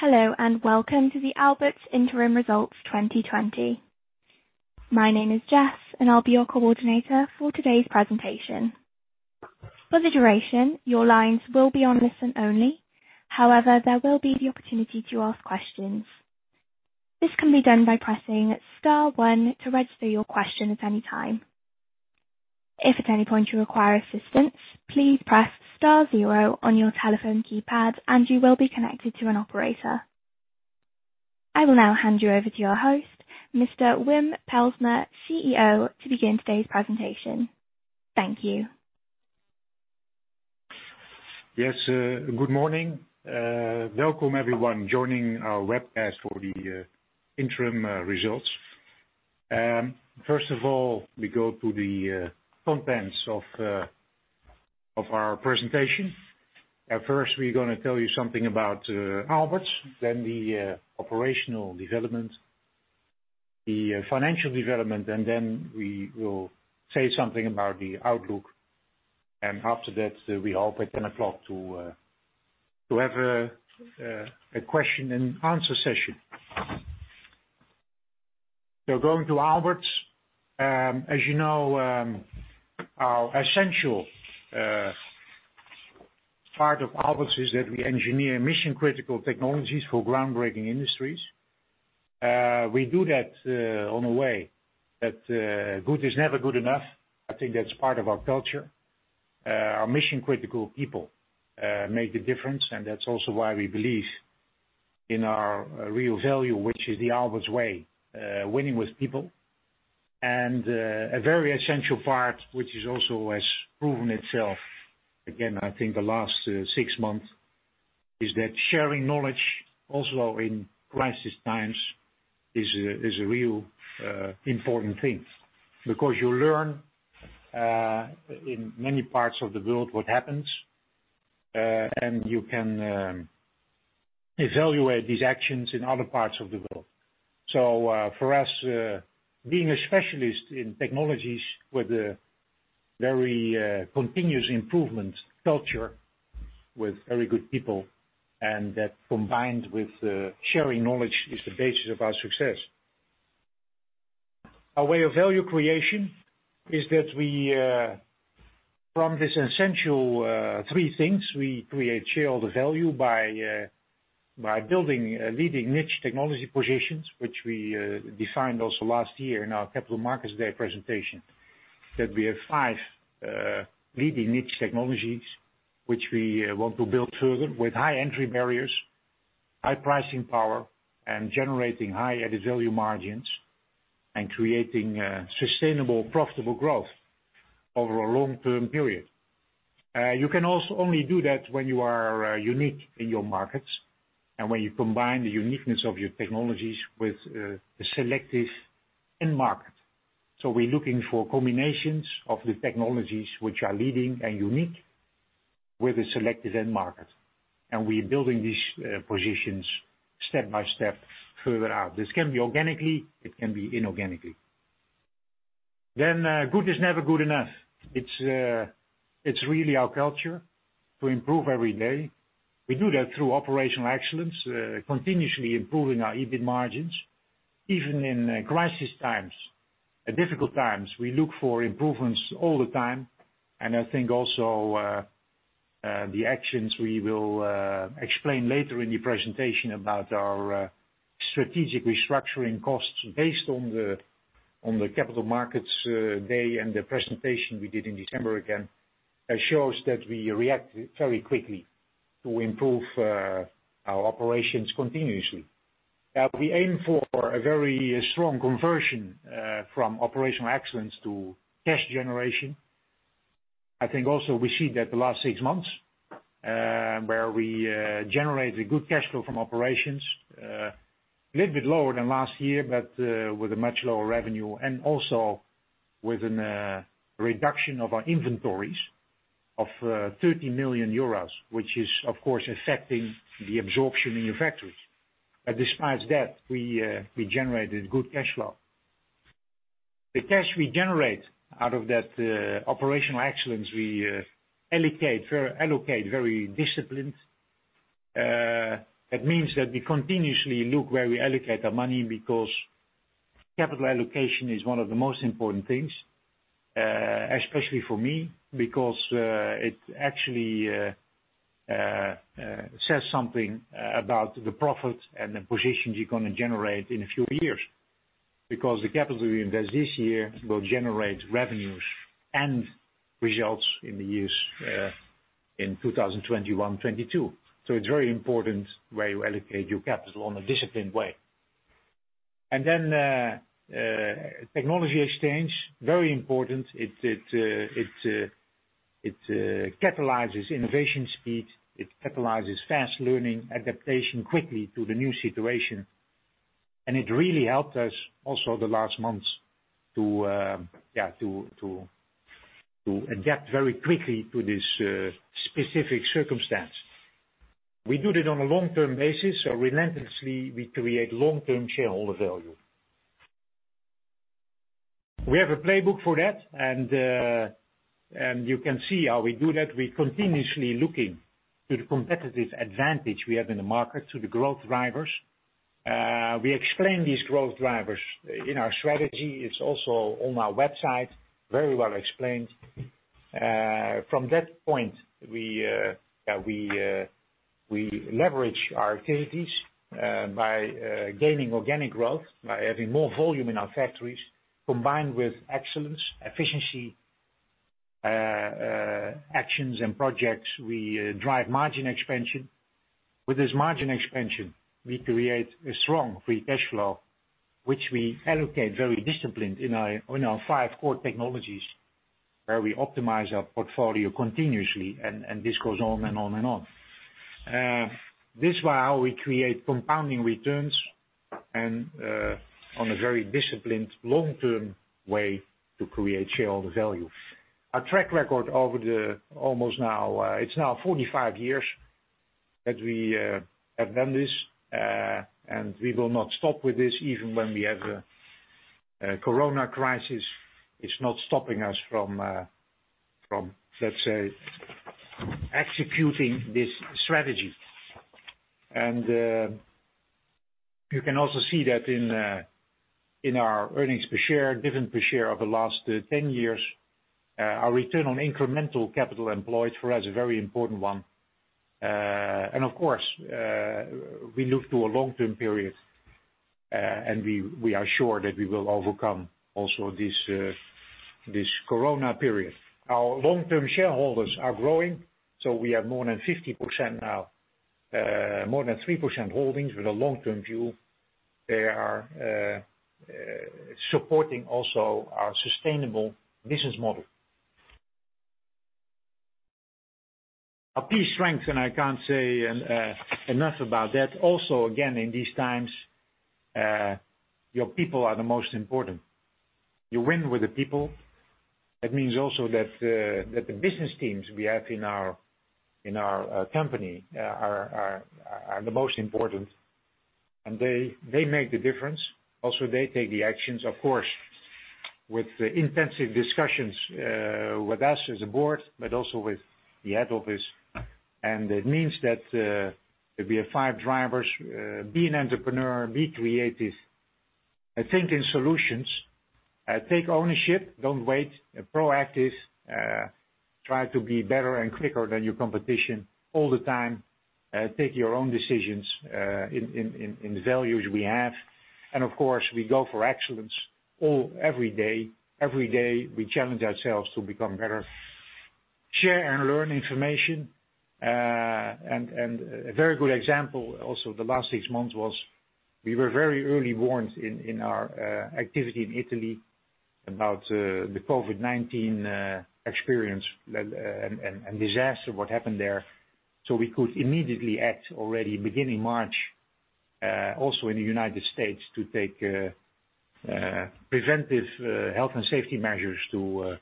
Hello, welcome to the Aalberts Interim Results 2020. My name is Jess, and I'll be your coordinator for today's presentation. For the duration, your lines will be on listen only. However, there will be the opportunity to ask questions. This can be done by pressing star one to register your question at any time. If at any point you require assistance, please press star zero on your telephone keypad, and you will be connected to an operator. I will now hand you over to your host, Mr. Wim Pelsma, CEO, to begin today's presentation. Thank you. Good morning. Welcome everyone joining our webcast for the interim results. First of all, we go to the contents of our presentation. At first, we're going to tell you something about Aalberts, then the operational development, the financial development, and then we will say something about the outlook. After that, we hope at 10:00 A.M. to have a question and answer session. Going to Aalberts. As you know, our essential part of Aalberts is that we engineer mission-critical technologies for groundbreaking industries. We do that in a way that good is never good enough. I think that's part of our culture. Our mission-critical people make the difference, and that's also why we believe in our real value, which is the Aalberts way, winning with people. A very essential part, which has also proven itself, again, I think the last six months, is that sharing knowledge also in crisis times is a real important thing because you learn in many parts of the world what happens, and you can evaluate these actions in other parts of the world. For us, being a specialist in technologies with a very continuous improvement culture with very good people, and that combined with sharing knowledge is the basis of our success. Our way of value creation is that from these essential three things, we create shareholder value by building leading niche technology positions, which we defined also last year in our Capital Markets Day presentation, that we have five leading niche technologies which we want to build further with high entry barriers, high pricing power, and generating high added value margins, and creating sustainable, profitable growth over a long-term period. You can also only do that when you are unique in your markets and when you combine the uniqueness of your technologies with a selective end market. We're looking for combinations of the technologies which are leading and unique with a selective end market. We're building these positions step by step further out. This can be organically, it can be inorganically. Good is never good enough. It's really our culture to improve every day. We do that through operational excellence, continuously improving our EBIT margins. Even in crisis times and difficult times, we look for improvements all the time. I think also the actions we will explain later in the presentation about our strategic restructuring costs based on the Capital Markets Day and the presentation we did in December, again, shows that we react very quickly to improve our operations continuously. We aim for a very strong conversion from operational excellence to cash generation. I think also we see that the last six months, where we generated good cash flow from operations, a little bit lower than last year, but with a much lower revenue, and also with a reduction of our inventories of 30 million euros, which is, of course, affecting the absorption in your factories. Despite that, we generated good cash flow. The cash we generate out of that operational excellence, we allocate very disciplined. That means that we continuously look where we allocate our money because capital allocation is one of the most important things, especially for me, because it actually says something about the profit and the positions you're going to generate in a few years, because the capital we invest this year will generate revenues and results in the years in 2021, 2022. It's very important where you allocate your capital in a disciplined way. Technology exchange, very important. It catalyzes innovation speed, it catalyzes fast learning, adaptation quickly to the new situation. It really helped us also the last months to adapt very quickly to this specific circumstance. We do that on a long-term basis, so relentlessly we create long-term shareholder value. We have a playbook for that, and you can see how we do that. We're continuously looking to the competitive advantage we have in the market to the growth drivers. We explain these growth drivers in our strategy. It's also on our website, very well explained. From that point, we leverage our activities by gaining organic growth, by having more volume in our factories, combined with excellence, efficiency, actions and projects. We drive margin expansion. With this margin expansion, we create a strong free cash flow, which we allocate very disciplined in our five core technologies, where we optimize our portfolio continuously, and this goes on and on. This way, how we create compounding returns on a very disciplined long-term way to create shareholder value. Our track record, it's now 45 years that we have done this, we will not stop with this even when we have the COVID-19 crisis. It's not stopping us from, let's say, executing this strategy. You can also see that in our earnings per share, dividend per share over the last 10 years, our return on incremental capital employed for us a very important one. Of course, we look to a long-term period, and we are sure that we will overcome also this COVID-19 period. Our long-term shareholders are growing, we have more than 50% now, more than 3% holdings with a long-term view. They are supporting also our sustainable business model. Our PP&E strength, I can't say enough about that. Also, again, in these times, your people are the most important. You win with the people. That means also that the business teams we have in our company are the most important. They make the difference. They take the actions, of course, with the intensive discussions with us as a board, but also with the head office. It means that we have five drivers: be an entrepreneur, be creative and think in solutions. Take ownership, don't wait, be proactive. Try to be better and quicker than your competition all the time. Take your own decisions in the values we have. Of course, we go for excellence every day. Every day we challenge ourselves to become better. Share and learn information. A very good example, also the last six months was we were very early warned in our activity in Italy about the COVID-19 experience and disaster, what happened there. We could immediately act already beginning March, also in the U.S., to take preventive health and safety measures to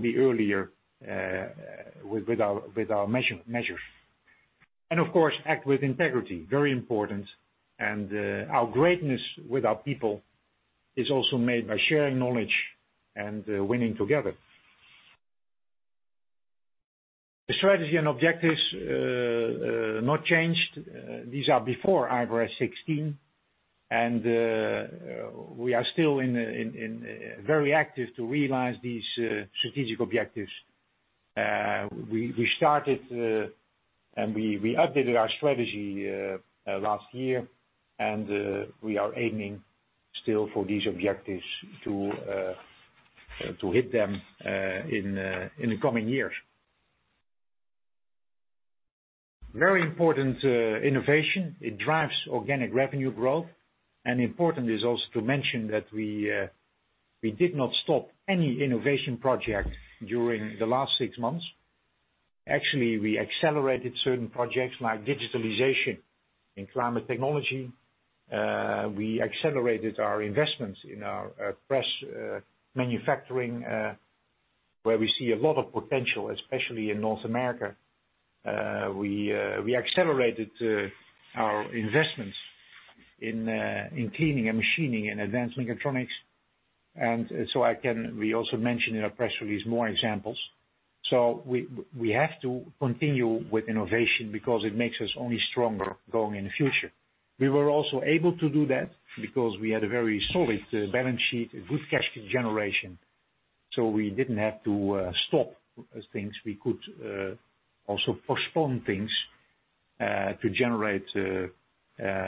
be earlier with our measures. Of course, act with integrity, very important. Our greatness with our people is also made by sharing knowledge and winning together. The strategy and objectives not changed. These are before IFRS 16, and we are still very active to realize these strategic objectives. We started and we updated our strategy last year, and we are aiming still for these objectives to hit them in the coming years. Very important, innovation, it drives organic revenue growth. Important is also to mention that we did not stop any innovation project during the last six months. Actually, we accelerated certain projects like digitalization in climate technology. We accelerated our investments in our press manufacturing, where we see a lot of potential, especially in North America. We accelerated our investments in cleaning and machining and advanced mechatronics. We also mentioned in our press release more examples. We have to continue with innovation because it makes us only stronger going in the future. We were also able to do that because we had a very solid balance sheet, a good cash generation. We could also postpone things to generate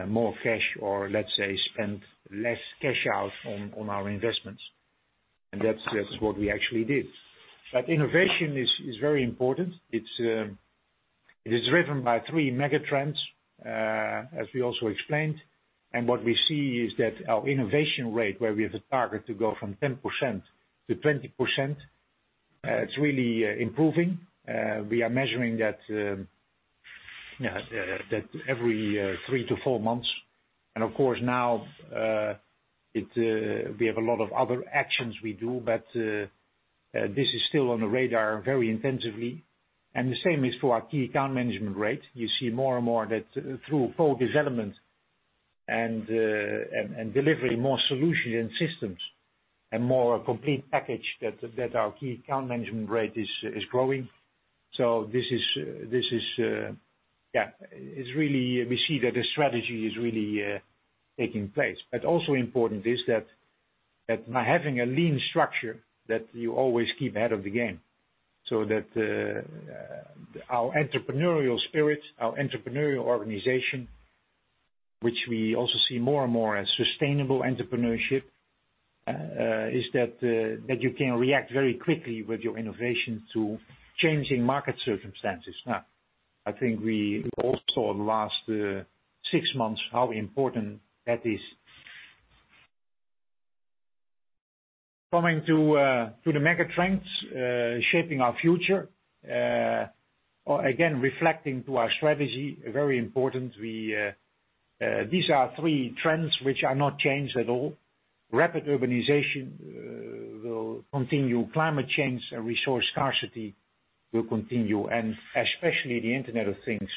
more cash or, let's say, spend less cash out on our investments. That's what we actually did. Innovation is very important. It is driven by three mega trends, as we also explained. What we see is that our innovation rate, where we have a target to go from 10% to 20%, it's really improving. We are measuring that every three to four months. Of course, now we have a lot of other actions we do, but this is still on the radar very intensively, and the same is for our key account management rate. You see more and more that through focus elements and delivering more solution and systems and more complete package, that our key account management rate is growing. We see that the strategy is really taking place. Also important is that by having a lean structure, that you always keep ahead of the game. That our entrepreneurial spirit, our entrepreneurial organization, which we also see more and more as sustainable entrepreneurship, is that you can react very quickly with your innovation to changing market circumstances. I think we all saw the last six months how important that is. Coming to the mega trends shaping our future. Again, reflecting to our strategy, very important, these are three trends which are not changed at all. Rapid urbanization will continue. Climate change and resource scarcity will continue, and especially the Internet of Things,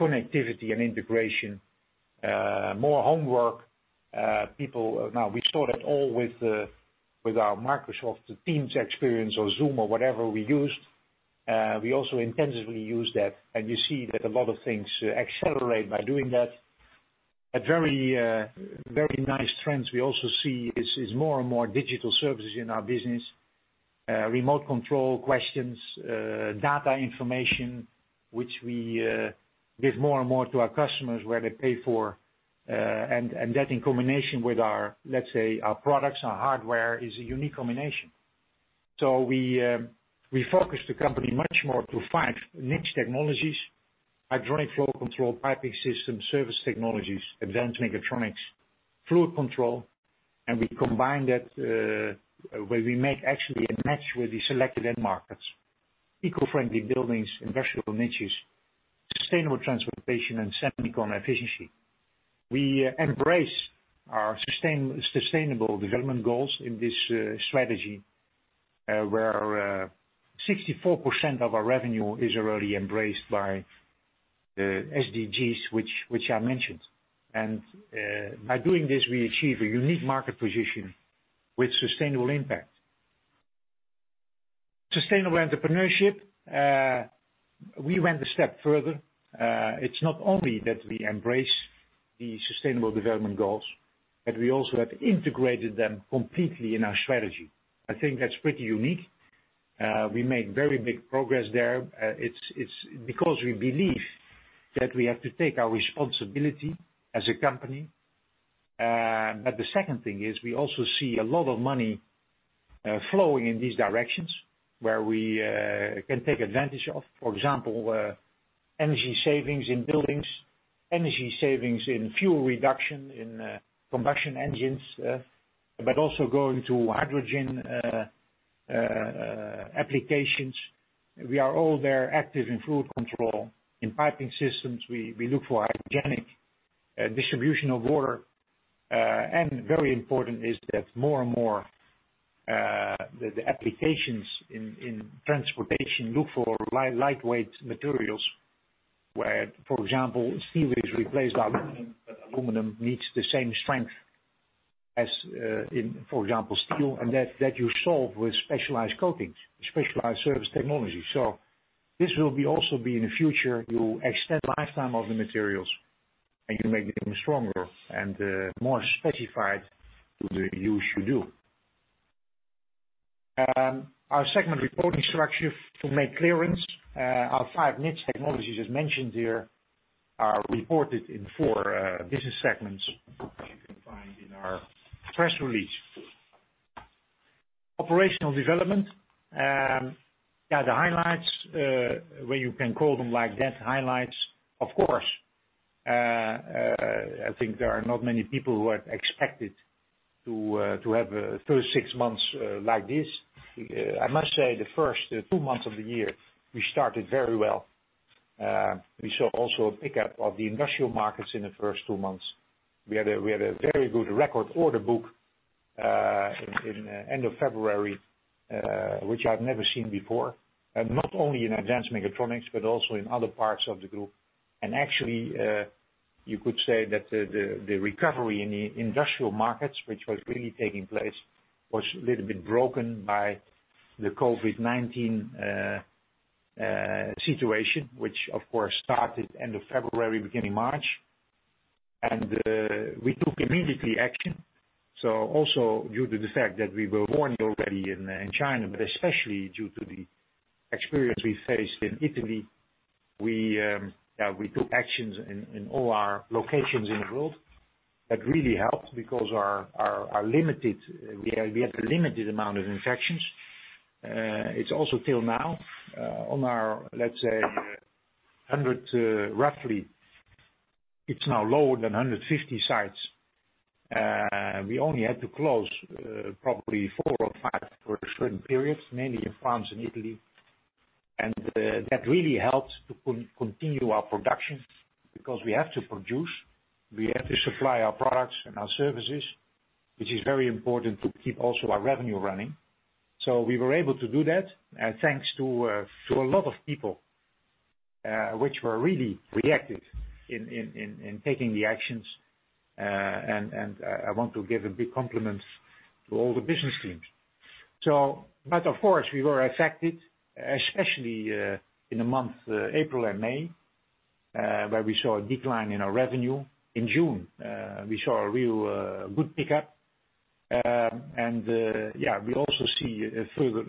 connectivity and integration, more homework. Now, we saw that all with our Microsoft Teams experience or Zoom or whatever we used. We also intensively used that, and you see that a lot of things accelerate by doing that. A very nice trends we also see is more and more digital services in our business. Remote control questions, data information, which we give more and more to our customers where they pay for, and that in combination with, let's say, our products, our hardware is a unique combination. We focus the company much more to five niche technologies, hydronic flow control, piping systems, surface technologies, advanced mechatronics, fluid control, and we combine that where we make actually a match with the selected end markets, eco-friendly buildings, industrial niches, sustainable transportation and semiconductor efficiency. We embrace our Sustainable Development Goals in this strategy, where 64% of our revenue is already embraced by the SDGs, which I mentioned. By doing this, we achieve a unique market position with sustainable impact. Sustainable entrepreneurship, we went a step further. It's not only that we embrace the Sustainable Development Goals, but we also have integrated them completely in our strategy. I think that's pretty unique. We made very big progress there. It's because we believe that we have to take our responsibility as a company. The second thing is we also see a lot of money flowing in these directions where we can take advantage of, for example, energy savings in buildings, energy savings in fuel reduction in combustion engines, also going to hydrogen applications. We are all there active in fluid control. In piping systems, we look for hygienic distribution of water. Very important is that more and more, the applications in transportation look for lightweight materials where, for example, steel is replaced by aluminum, but aluminum needs the same strength as in, for example, steel. That you solve with specialized coatings, specialized surface technologies. This will also be in the future, you extend lifetime of the materials and you make them stronger and more specified to the use you do. Our segment reporting structure to make clearance. Our five niche technologies, as mentioned here, are reported in four business segments, as you can find in our press release. Operational development. The highlights, where you can call them like that, highlights, of course, I think there are not many people who had expected to have a first six months like this. I must say the first two months of the year, we started very well. We saw also a pickup of the industrial markets in the first two months. We had a very good record order book in end of February, which I've never seen before, and not only in advanced mechatronics, but also in other parts of the group. Actually, you could say that the recovery in the industrial markets, which was really taking place, was a little bit broken by the COVID-19 situation, which of course started end of February, beginning March. We took immediately action. Also due to the fact that we were warned already in China, but especially due to the experience we faced in Italy, we took actions in all our locations in the world. That really helped because we had a limited amount of infections. It's also till now, on our, let's say, roughly it's now lower than 150 sites. We only had to close probably four or five for certain periods, mainly in France and Italy. That really helped to continue our production, because we have to produce, we have to supply our products and our services, which is very important to keep also our revenue running. We were able to do that, and thanks to a lot of people, which were really reactive in taking the actions, and I want to give a big compliments to all the business teams. Of course, we were affected, especially in the month April and May, where we saw a decline in our revenue. In June, we saw a real good pickup. We also see a further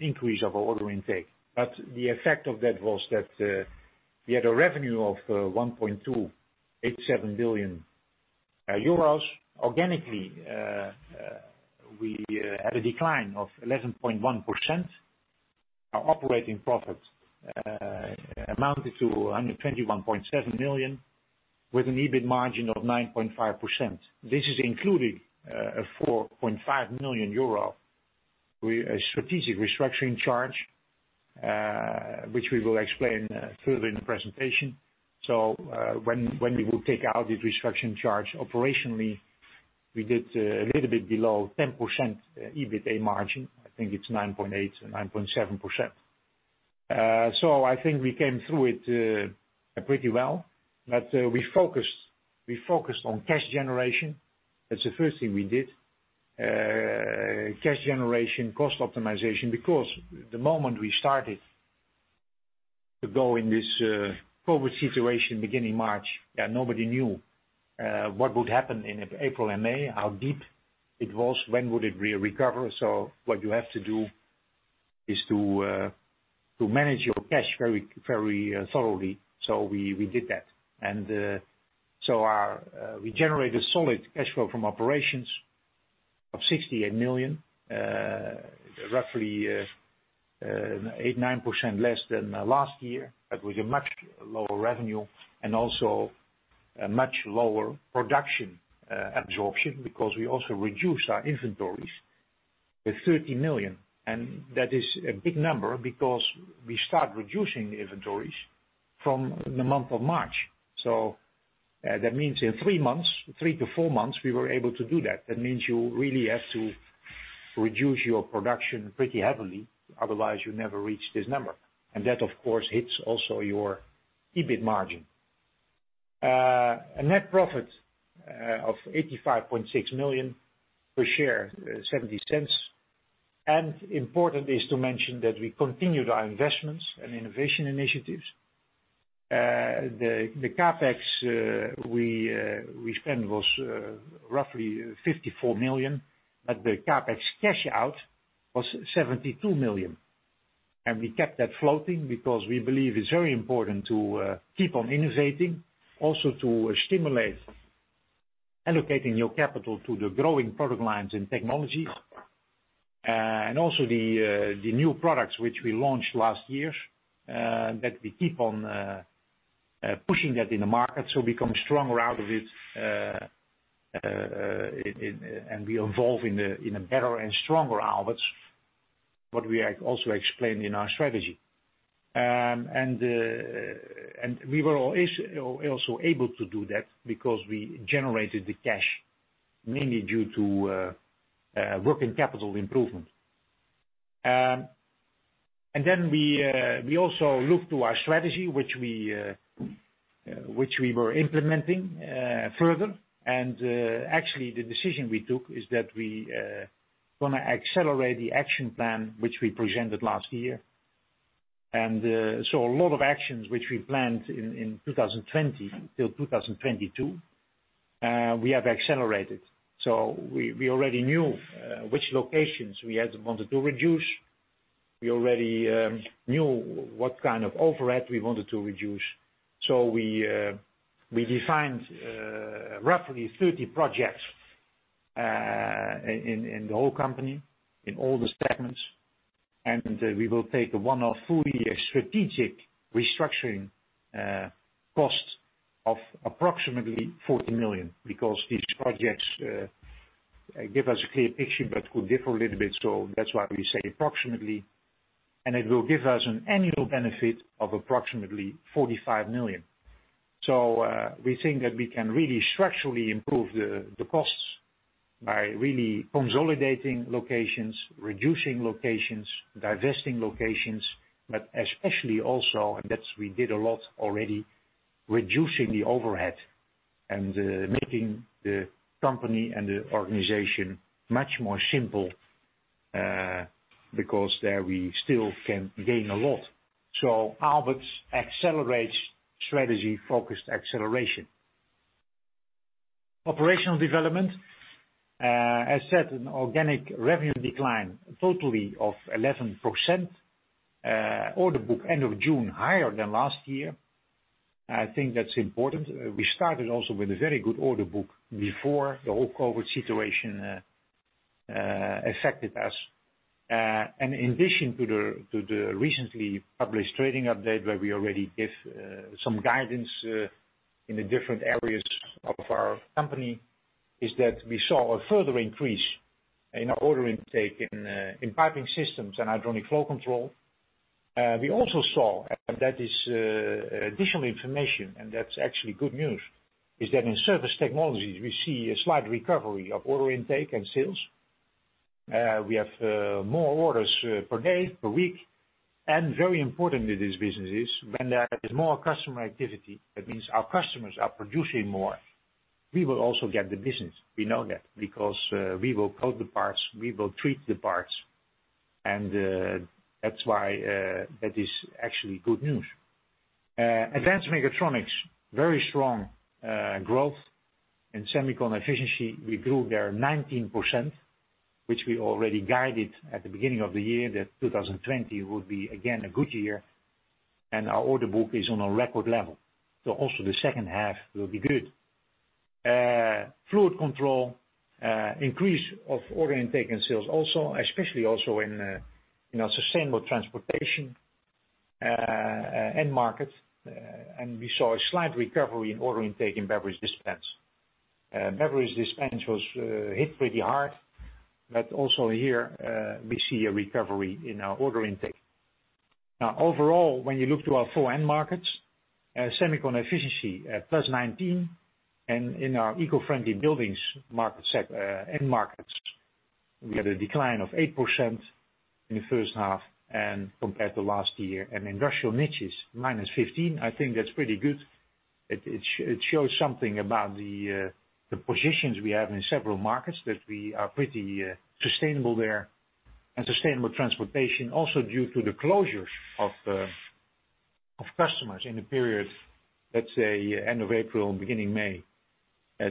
increase of our order intake. The effect of that was that we had a revenue of 1.287 billion euros. Organically, we had a decline of 11.1%. Our operating profit amounted to 121.7 million, with an EBIT margin of 9.5%. This is including a 4.5 million euro strategic restructuring charge, which we will explain further in the presentation. When we will take out the restructuring charge, operationally, we did a little bit below 10% EBITA margin. I think it's 9.8% or 9.7%. I think we came through it pretty well. We focused on cash generation. That's the first thing we did. Cash generation, cost optimization, because the moment we started to go in this COVID situation, beginning March, nobody knew what would happen in April and May, how deep it was, when would it recover. What you have to do is to manage your cash very thoroughly. We did that. We generated solid cash flow from operations of 68 million, roughly 8, 9% less than last year, but with a much lower revenue and also a much lower production absorption because we also reduced our inventories with 30 million. That is a big number because we start reducing the inventories from the month of March. That means in three to four months, we were able to do that. That means you really have to reduce your production pretty heavily, otherwise you never reach this number. That, of course, hits also your EBIT margin. A net profit of 85.6 million, per share 0.70. Important is to mention that we continued our investments and innovation initiatives. The CapEx we spend was roughly 54 million, but the CapEx cash out was 72 million. We kept that floating because we believe it's very important to keep on innovating, also to stimulate allocating your capital to the growing product lines and technologies. Also the new products which we launched last year, that we keep on pushing that in the market, so we become stronger out of it, and we evolve in a better and stronger Aalberts, what we also explained in our strategy. We were also able to do that because we generated the cash, mainly due to working capital improvement. We also look to our strategy, which we were implementing further. Actually the decision we took is that we going to accelerate the action plan which we presented last year. So a lot of actions which we planned in 2020-2022, we have accelerated. We already knew which locations we had wanted to reduce. We already knew what kind of overhead we wanted to reduce. We defined roughly 30 projects in the whole company, in all the segments, and we will take a one-off full year strategic restructuring cost of approximately 40 million, because these projects give us a clear picture, but could differ a little bit, so that's why we say approximately. It will give us an annual benefit of approximately 45 million. We think that we can really structurally improve the costs by really consolidating locations, reducing locations, divesting locations, but especially also, and that's we did a lot already, reducing the overhead and making the company and the organization much more simple, because there we still can gain a lot. Aalberts Accelerate Strategy focused acceleration. Operational development. As said, an organic revenue decline totally of 11%. Order book end of June, higher than last year. I think that's important. We started also with a very good order book before the whole COVID situation affected us. In addition to the recently published trading update, where we already give some guidance in the different areas of our company, is that we saw a further increase in order intake in Piping Systems and Hydronic Flow Control, we also saw, and that is additional information, and that's actually good news, is that in Surface Technologies, we see a slight recovery of order intake and sales. We have more orders per day, per week, and very important in this business is when there is more customer activity, that means our customers are producing more. We will also get the business. We know that because we will coat the parts, we will treat the parts. That's why that is actually good news. Advanced mechatronics, very strong growth in semicon efficiency. We grew there 19%, which we already guided at the beginning of the year, that 2020 will be again a good year, and our order book is on a record level. Also the second half will be good. fluid control, increase of order intake and sales also, especially also in sustainable transportation end markets. We saw a slight recovery in order intake in Beverage Dispense. Beverage Dispense was hit pretty hard, but also here, we see a recovery in our order intake. Overall, when you look to our four end markets, semicon efficiency at +19%, and in our eco-friendly buildings end markets, we had a decline of 8% in the first half and compared to last year. industrial niches, -15%, I think that's pretty good. It shows something about the positions we have in several markets, that we are pretty sustainable there. Sustainable Transportation also due to the closures of customers in the period, let's say end of April, beginning May,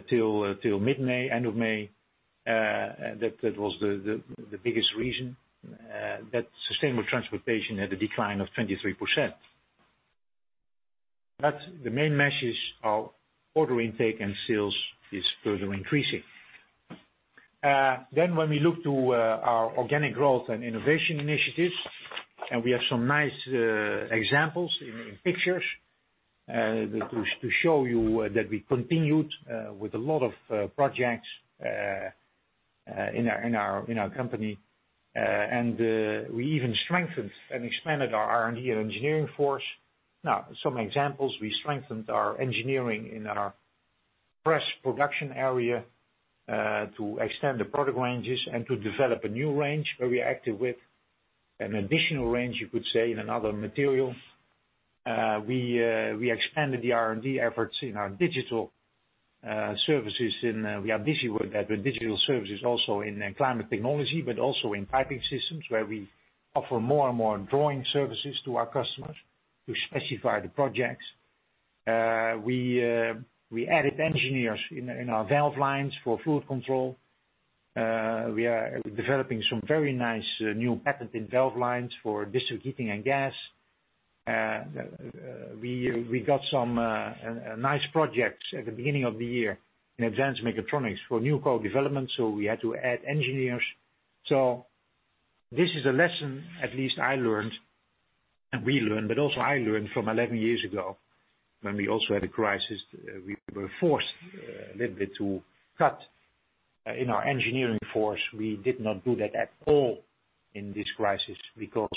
till mid-May, end of May, that was the biggest reason that Sustainable Transportation had a decline of 23%. The main message of order intake and sales is further increasing. When we look to our organic growth and innovation initiatives, and we have some nice examples in pictures to show you that we continued with a lot of projects in our company. We even strengthened and expanded our R&D and engineering force. Now, some examples. We strengthened our engineering in our press production area, to extend the product ranges and to develop a new range where we acted with an additional range, you could say, in another material. We expanded the R&D efforts in our digital services, and we are busy with that, with digital services also in Climate Technology, but also in Piping Systems where we offer more and more drawing services to our customers to specify the projects. We added engineers in our valve lines for Fluid Control. We are developing some very nice new patented valve lines for district heating and gas. We got some nice projects at the beginning of the year in advanced mechatronics for new co-development, so we had to add engineers. This is a lesson at least I learned, and we learned, but also I learned from 11 years ago when we also had a crisis. We were forced a little bit to cut in our engineering force. We did not do that at all in this crisis because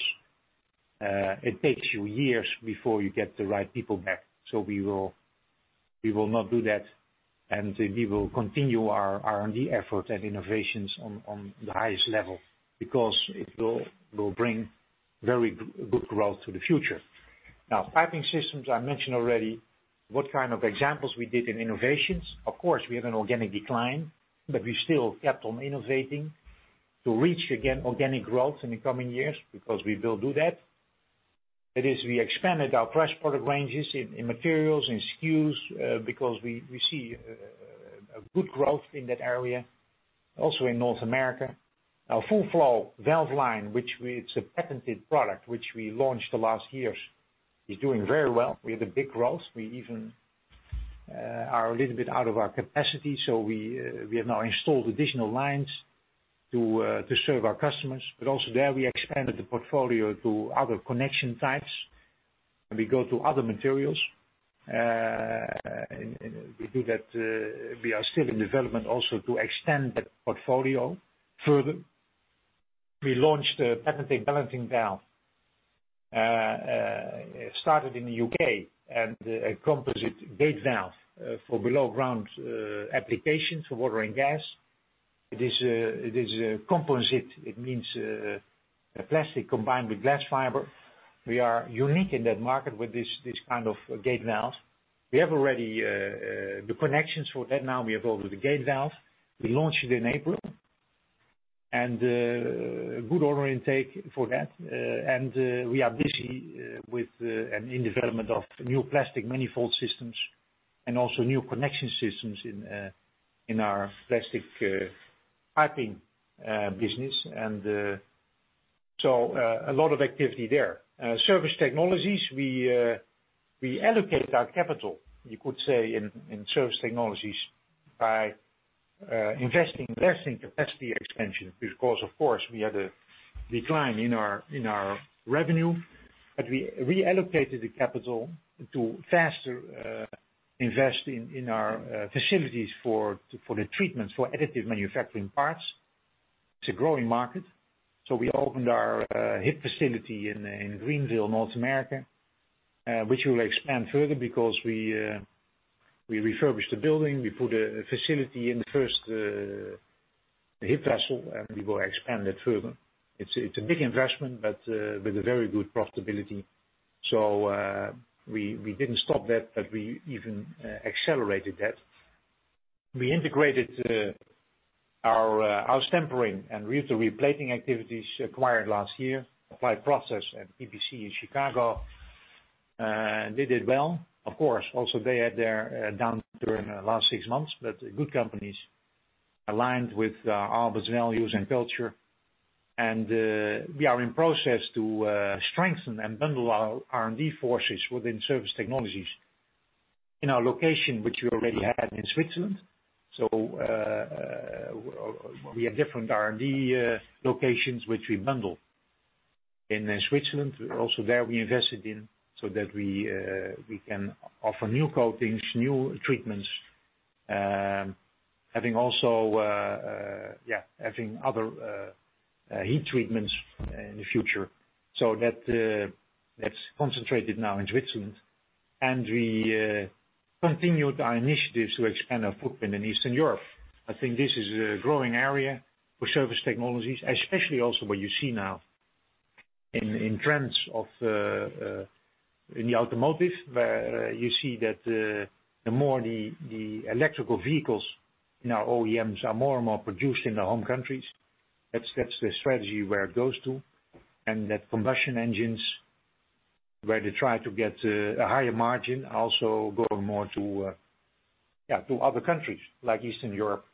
it takes you years before you get the right people back. We will not do that, and we will continue our R&D efforts and innovations on the highest level because it will bring very good growth to the future. Piping Systems, I mentioned already what kind of examples we did in innovations. We have an organic decline, we still kept on innovating to reach again organic growth in the coming years, because we will do that. That is, we expanded our press product ranges in materials, in SKUs, because we see a good growth in that area, also in North America. Our FullFlow valve line, which it's a patented product which we launched the last years, is doing very well. We had a big growth. We even are a little bit out of our capacity, we have now installed additional lines to serve our customers. Also there we expanded the portfolio to other connection types, and we go to other materials. We are still in development also to extend that portfolio further. We launched a patented balancing valve, started in the U.K., and a composite gate valve for below ground applications for water and gas. It is a composite, it means a plastic combined with glass fiber. We are unique in that market with this kind of gate valves. We have already the connections for that now. We have ordered the gate valves. We launched in April, and good order intake for that, and we are busy with an in development of new plastic manifold systems and also new connection systems in our plastic piping business. A lot of activity there. Surface technologies, we allocate our capital, you could say, in service technologies by investing less in capacity expansion because, of course, we had a decline in our revenue. We reallocated the capital to faster invest in our facilities for the treatments for additive manufacturing parts. It's a growing market. We opened our HIP facility in Greenville, South Carolina, which we'll expand further because we refurbished the building, we put a facility in the first HIP vessel, and we will expand that further. It's a big investment, with a very good profitability. We didn't stop that, we even accelerated that. We integrated our austempering and reel-to-reel plating activities acquired last year, Applied Process and PPC in Chicago. They did well. Of course, also they had their downturn in the last six months. Good companies aligned with Aalberts values and culture. We are in process to strengthen and bundle our R&D forces within surface technologies in our location, which we already had in Switzerland. We have different R&D locations, which we bundle. In Switzerland, also there we invested in so that we can offer new coatings, new treatments, having other heat treatments in the future. That's concentrated now in Switzerland. We continued our initiatives to expand our footprint in Eastern Europe. I think this is a growing area for surface technologies, especially also what you see now in trends in the automotive, where you see that the more the electrical vehicles in our OEMs are more and more produced in their home countries. That's the strategy where it goes to. That combustion engines, where they try to get a higher margin, also go more to other countries, like Eastern Europe.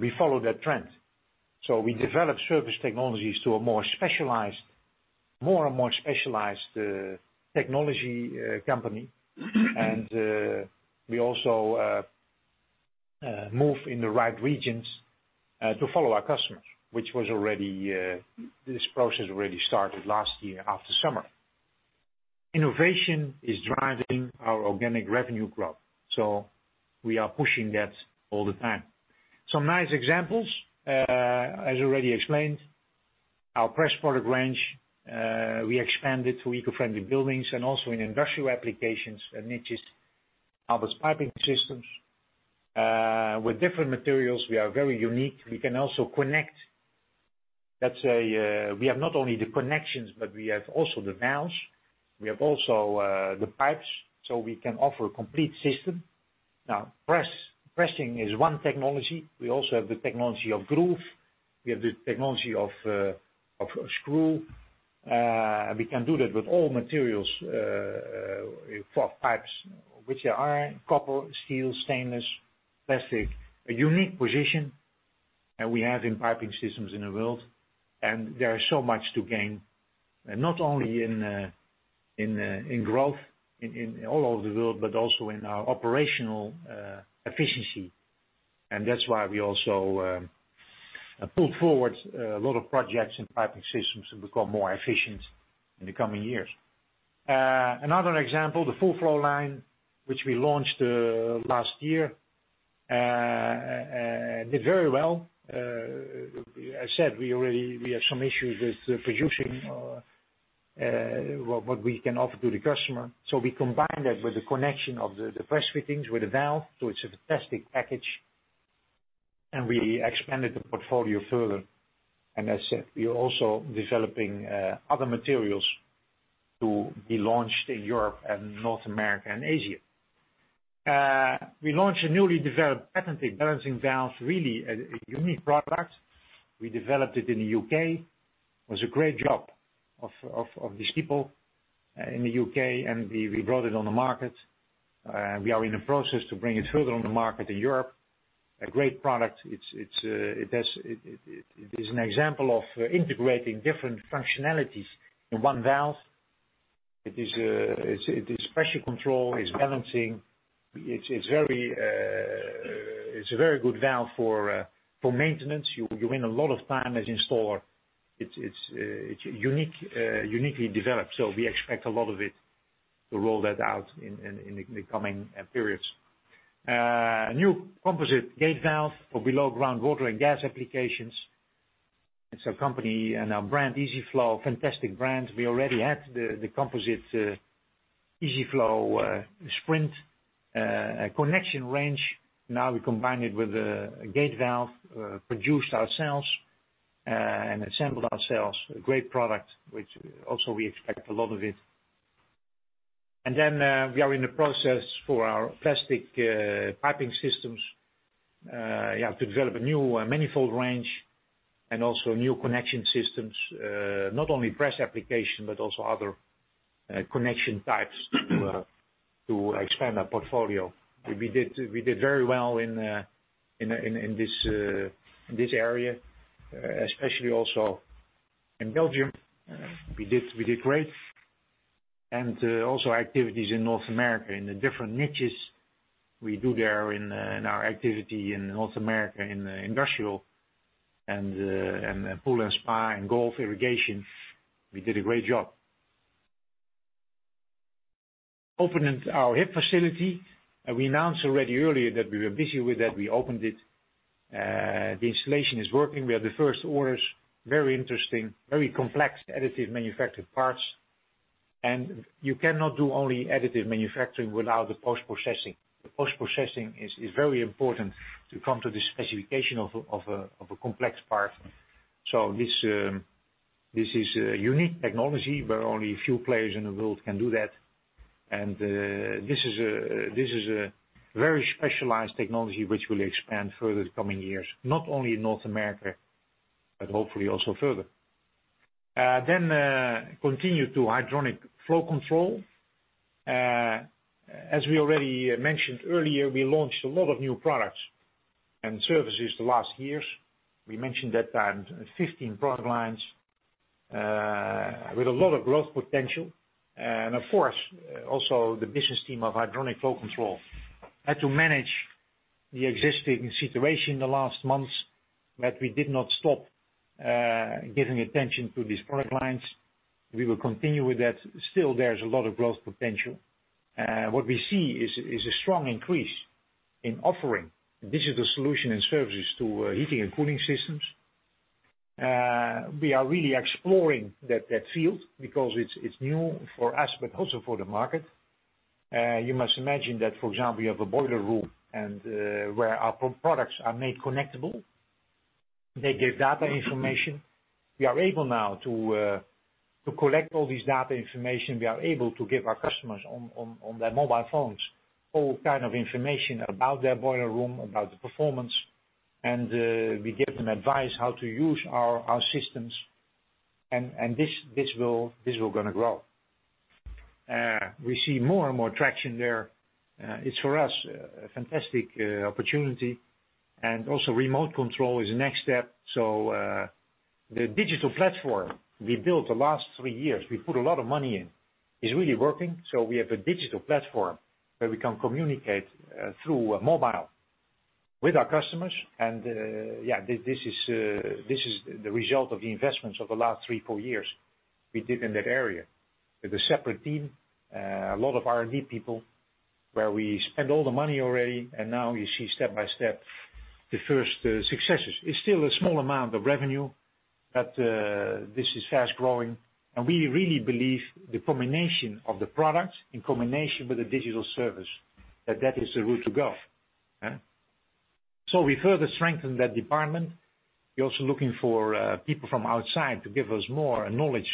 We follow that trend. We develop surface technologies to a more and more specialized technology company. We also move in the right regions to follow our customers, this process already started last year after summer. Innovation is driving our organic revenue growth, so we are pushing that all the time. Some nice examples, as already explained, our press product range, we expanded to eco-friendly buildings and also in industrial applications and niches, Aalberts Piping Systems. With different materials, we are very unique. We have not only the connections, but we have also the valves, we have also the pipes, so we can offer a complete system. Pressing is one technology. We also have the technology of groove. We have the technology of screw. We can do that with all materials for pipes, which there are copper, steel, stainless, plastic. A unique position that we have in piping systems in the world. There is so much to gain, not only in growth in all over the world, but also in our operational efficiency. That's why we also pulled forward a lot of projects in Piping Systems to become more efficient in the coming years. Another example, the FullFlow line, which we launched last year, did very well. As said, we have some issues with producing what we can offer to the customer. We combined that with the connection of the press fittings with the valve. It's a fantastic package. We expanded the portfolio further. As said, we are also developing other materials to be launched in Europe and North America and Asia. We launched a newly developed patented balancing valve, really a unique product. We developed it in the U.K. Was a great job of these people in the U.K., and we brought it on the market. We are in the process to bring it further on the market in Europe. A great product. It is an example of integrating different functionalities in one valve. It is pressure control, it's balancing. It's a very good valve for maintenance. You win a lot of time as installer. It's uniquely developed. We expect a lot of it to roll that out in the coming periods. New composite gate valve for below ground water and gas applications. It's a company and a brand, Isiflo, fantastic brand. We already had the composite Isiflo Sprint connection range. Now we combine it with a gate valve, produced ourselves and assembled ourselves. A great product, which also we expect a lot of it. We are in the process for our plastic piping systems to develop a new manifold range and also new connection systems, not only press application, but also other connection types to expand our portfolio. We did very well in this area, especially also in Belgium. We did great. Activities in North America in the different niches we do there in our activity in North America in industrial and pool and spa and golf irrigation, we did a great job. Opened our HIP facility. We announced already earlier that we were busy with that. We opened it. The installation is working. We have the first orders. Very interesting, very complex additive manufactured parts. You cannot do only additive manufacturing without the post-processing. The post-processing is very important to come to the specification of a complex part. This is a unique technology, where only a few players in the world can do that, and this is a very specialized technology which will expand further the coming years, not only in North America, but hopefully also further. Continue to Hydronic Flow Control. As we already mentioned earlier, we launched a lot of new products and services the last years. We mentioned that time, 15 product lines with a lot of growth potential. Of course, also the business team of Hydronic Flow Control had to manage the existing situation the last months, but we did not stop giving attention to these product lines. We will continue with that. Still, there is a lot of growth potential. What we see is a strong increase in offering digital solution and services to heating and cooling systems. We are really exploring that field because it's new for us, but also for the market. You must imagine that, for example, you have a boiler room and where our products are made connectable, they give data information. We are able now to collect all this data information. We are able to give our customers on their mobile phones all kind of information about their boiler room, about the performance, and we give them advice how to use our systems. This is going to grow. We see more and more traction there. It's, for us, a fantastic opportunity. Also remote control is the next step, so the digital platform we built the last three years, we put a lot of money in, is really working. We have a digital platform where we can communicate through mobile with our customers, and this is the result of the investments of the last three, four years we did in that area. With a separate team, a lot of R&D people, where we spend all the money already, and now you see step by step the first successes. It's still a small amount of revenue, but this is fast-growing, and we really believe the combination of the product in combination with the digital service, that that is the route to go. We further strengthen that department. We're also looking for people from outside to give us more knowledge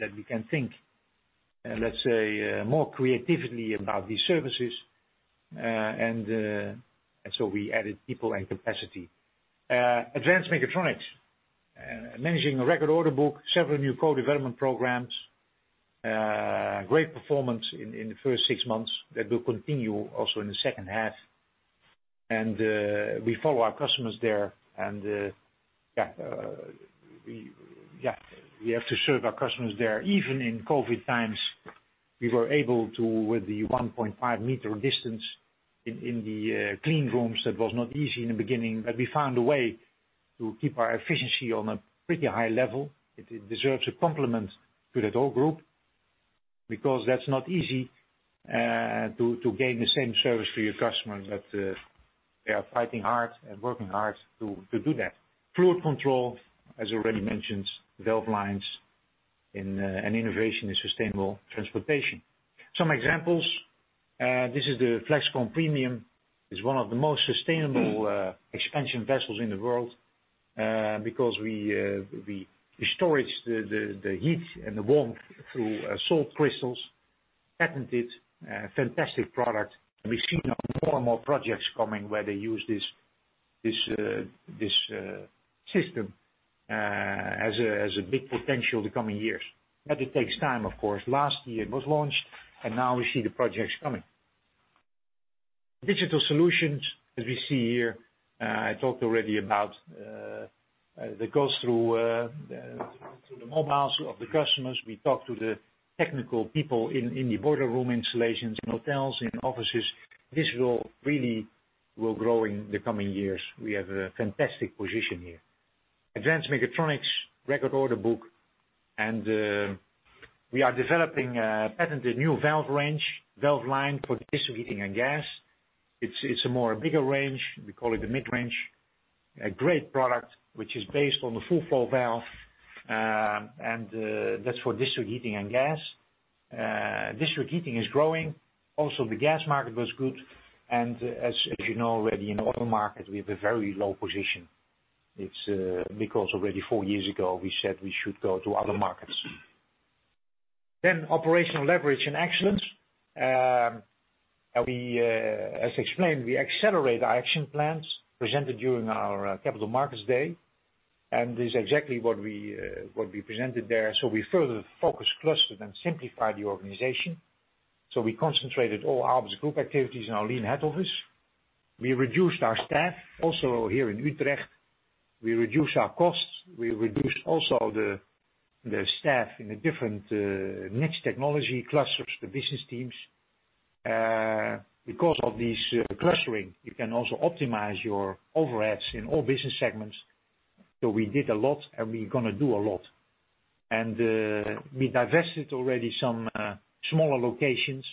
that we can think, let's say, more creatively about these services. We added people and capacity. Advanced mechatronics. Managing a record order book, several new co-development programs, great performance in the first six months that will continue also in the second half. We follow our customers there, and we have to serve our customers there. Even in COVID-19 times, we were able to, with the 1.5 m distance in the clean rooms, that was not easy in the beginning, but we found a way to keep our efficiency on a pretty high level. It deserves a compliment to that whole group because that's not easy to gain the same service for your customers, but they are fighting hard and working hard to do that. fluid control, as already mentioned, valve lines and innovation in sustainable transportation. Some examples. This is the Flexcon Premium. It's one of the most sustainable expansion vessels in the world, because we storage the heat and the warmth through salt crystals, patented, fantastic product. We've seen more and more projects coming where they use this system. It has a big potential the coming years. It takes time, of course. Last year it was launched, and now we see the projects coming. Digital solutions, as we see here, I talked already about, that goes through the mobiles of the customers. We talk to the technical people in the boiler room installations, in hotels, in offices. This role really will grow in the coming years. We have a fantastic position here. Advanced mechatronics, record order book, and we are developing a patented new valve range, valve line for district heating and gas. It's a more bigger range. We call it the mid-range. A great product, which is based on the FullFlow valve, and that's for district heating and gas. District heating is growing. Also, the gas market was good, and as you know already, in the auto market, we have a very low position. It's because already four years ago, we said we should go to other markets. Operational leverage and excellence. As explained, we accelerate our action plans presented during our Capital Markets Day, and this is exactly what we presented there. We further focus, cluster, then simplify the organization. We concentrated all Aalberts Group activities in our lean head office. We reduced our staff also here in Utrecht. We reduced our costs. We reduced also the staff in the different niche technology clusters, the business teams. Because of this clustering, you can also optimize your overheads in all business segments. We did a lot, and we're going to do a lot. We divested already some smaller locations.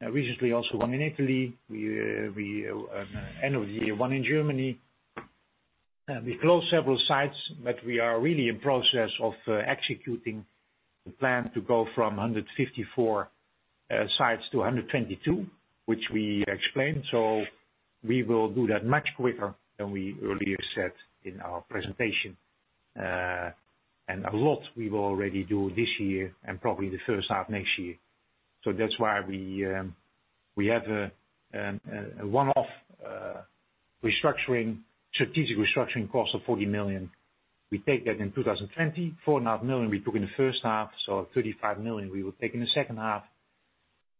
Recently, also one in Italy. End of the year, one in Germany. We closed several sites, but we are really in process of executing the plan to go from 154 sites to 122, which we explained. We will do that much quicker than we earlier said in our presentation. A lot we will already do this year and probably the first half next year. That's why we have a one-off strategic restructuring cost of 40 million. We take that in 2020. 4.5 million we took in the first half, 35 million we will take in the second half,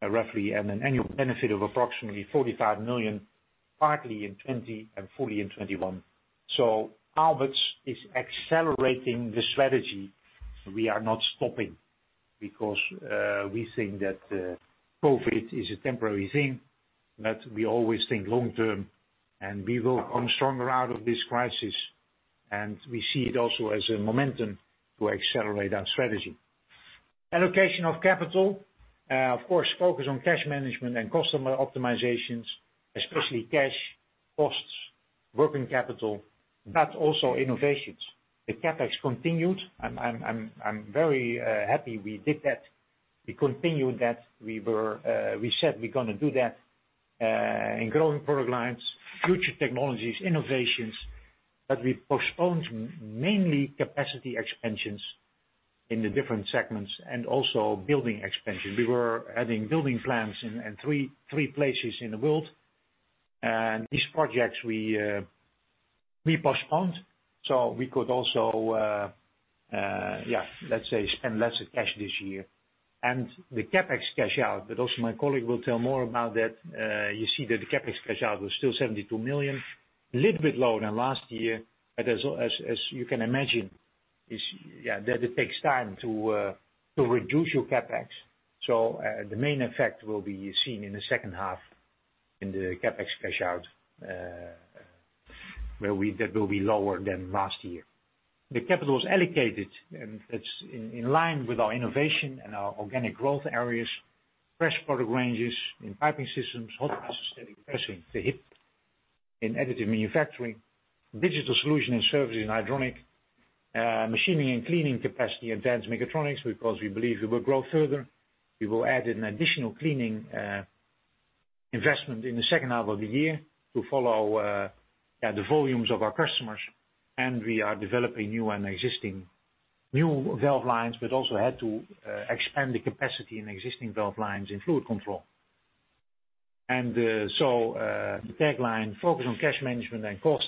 roughly. An annual benefit of approximately 45 million, partly in 2020 and fully in 2021. Aalberts is accelerating the strategy. We are not stopping because we think that COVID is a temporary thing, but we always think long term, and we will come stronger out of this crisis. We see it also as a momentum to accelerate our strategy. Allocation of capital, of course, focus on cash management and customer optimizations, especially cash, costs, working capital, but also innovations. The CapEx continued. I'm very happy we did that. We continued that. We said we're going to do that in growing product lines, future technologies, innovations. We postponed mainly capacity expansions in the different segments and also building expansion. We were adding building plans in three places in the world. These projects we postponed so we could also, let's say, spend less cash this year. The CapEx cash out, but also my colleague will tell more about that. You see that the CapEx cash out was still 72 million. A little bit lower than last year, as you can imagine, that it takes time to reduce your CapEx. The main effect will be seen in the second half in the CapEx cash out, that will be lower than last year. The capital is allocated, it's in line with our innovation and our organic growth areas, press product ranges in piping systems, hot isostatic pressing, the HIP, in additive manufacturing, digital solution and services in hydronic, machining and cleaning capacity, advanced mechatronics, because we believe we will grow further. We will add an additional cleaning investment in the second half of the year to follow the volumes of our customers. We are developing new and existing new valve lines, but also had to expand the capacity in existing valve lines in fluid control. The tagline, focus on cash management and costs,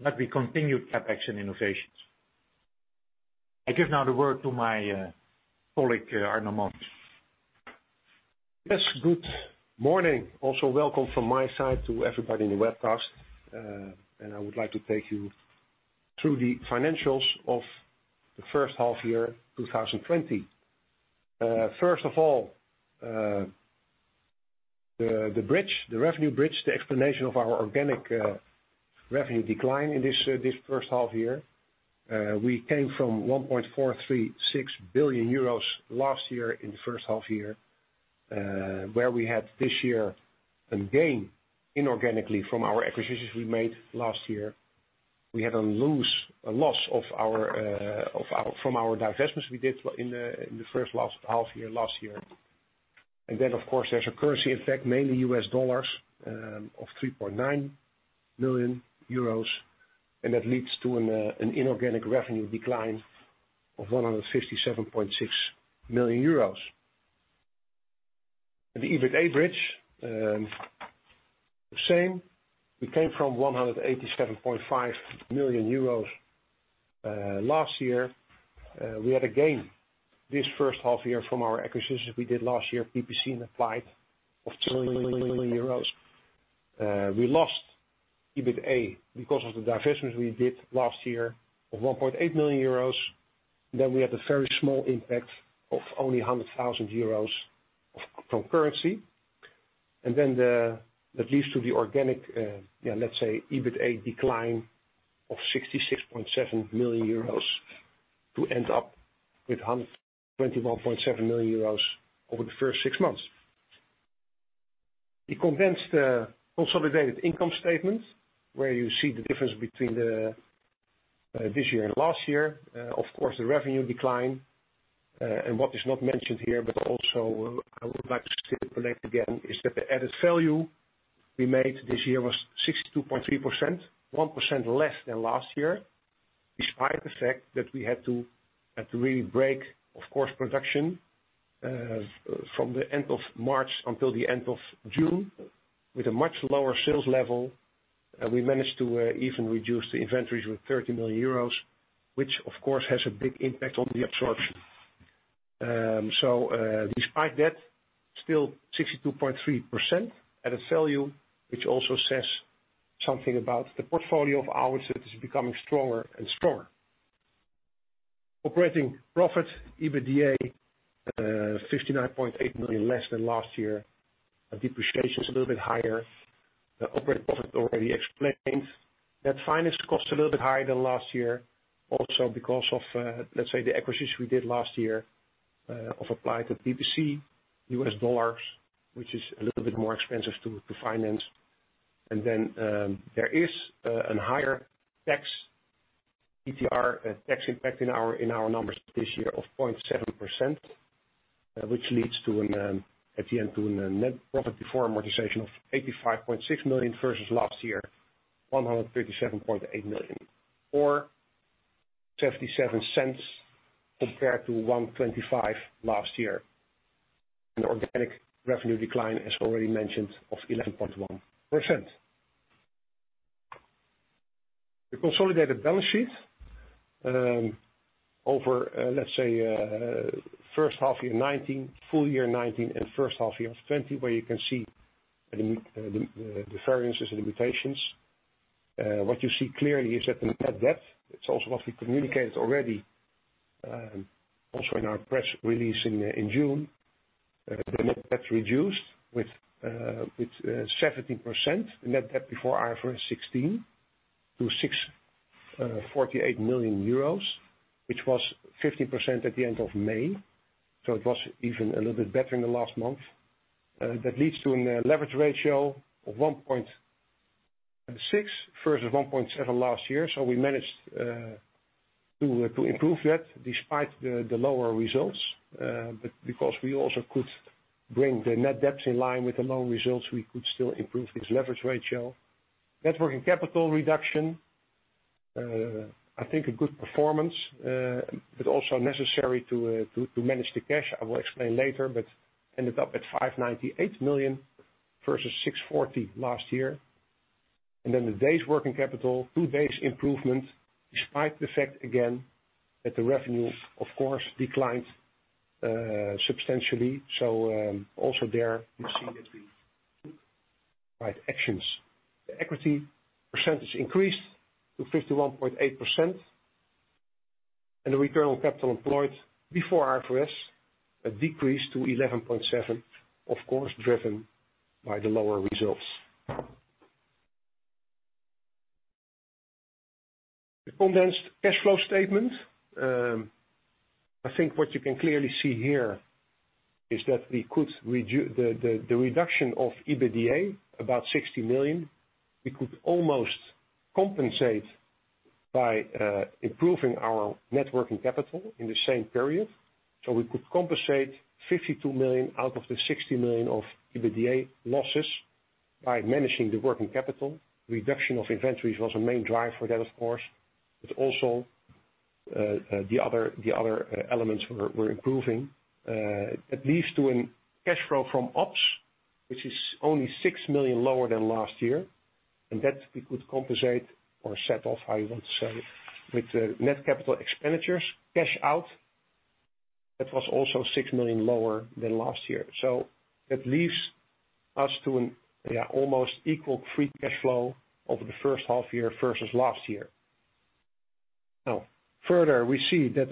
but we continued CapEx and innovations. I give now the word to my colleague, Arno Monincx. Yes. Good morning. Also welcome from my side to everybody in the webcast. I would like to take you through the financials of the first half year 2020. First of all, the bridge, the revenue bridge, the explanation of our organic revenue decline in this first half year. We came from 1.436 billion euros last year in the first half year, where we had this year a gain inorganically from our acquisitions we made last year. We had a loss from our divestments we did in the first half year last year. Of course, there's a currency effect, mainly US dollars, of 3.9 million euros, that leads to an inorganic revenue decline of 157.6 million euros. The EBITA bridge, the same. We came from 187.5 million euros last year. We had a gain this first half year from our acquisitions we did last year, PPC and Applied, of 2 million euros. We lost EBITA because of the divestments we did last year of 1.8 million euros. We had a very small impact of only 100,000 euros from currency. That leads to the organic, let's say, EBITA decline of 66.7 million euros to end up with 121.7 million euros over the first six months. The condensed consolidated income statement, where you see the difference between this year and last year. Of course, the revenue decline. What is not mentioned here, but also I would like to circulate again, is that the added value we made this year was 62.3%, 1% less than last year. Despite the fact that we had to really break, of course, production from the end of March until the end of June with a much lower sales level, we managed to even reduce the inventories with 30 million euros, which, of course, has a big impact on the absorption. Despite that, still 62.3% added value, which also says something about the portfolio of ours that is becoming stronger and stronger. Operating profit, EBITDA, 59.8 million less than last year. Our depreciation is a little bit higher. The operating profit, already explained. Net finance cost a little bit higher than last year, also because of the acquisitions we did last year of Applied Process and PPC, US dollars, which is a little bit more expensive to finance. There is a higher tax, ETR, tax impact in our numbers this year of 0.7%, which leads to, at the end, to a net profit before amortization of 85.6 million, versus last year, 137.8 million. Or 0.77 compared to 1.25 last year. An organic revenue decline, as already mentioned, of 11.1%. The consolidated balance sheet over first half year 2019, full year 2019, and first half year of 2020, where you can see the variances and limitations. What you see clearly is that the net debt, it's also what we communicated already, also in our press release in June, the net debt reduced with 17%, net debt before IFRS 16, to 648 million euros, which was 15% at the end of May, so it was even a little bit better in the last month. That leads to a leverage ratio of 1.6 versus 1.7 last year. We managed to improve that despite the lower results. Because we also could bring the net debts in line with the low results, we could still improve this leverage ratio. Net working capital reduction, I think a good performance, but also necessary to manage the cash. I will explain later. Ended up at 598 million versus 640 million last year. The days working capital, two days improvement, despite the fact, again, that the revenue, of course, declined substantially. Also there you see that we took right actions. The equity percentage increased to 51.8%. The return on capital employed before IFRS decreased to 11.7%, of course, driven by the lower results. The condensed cash flow statement. I think what you can clearly see here is that the reduction of EBITDA, about 60 million, we could almost compensate by improving our net working capital in the same period. We could compensate 52 million out of the 60 million of EBITDA losses by managing the working capital. Reduction of inventories was a main drive for that, of course, also the other elements were improving. That leads to a cash flow from ops, which is only 6 million lower than last year, that we could compensate or set off, how you want to say, with the net capital expenditures, cash out. That was also 6 million lower than last year. That leaves us to an almost equal free cash flow over the first half year versus last year. Now, further, we see that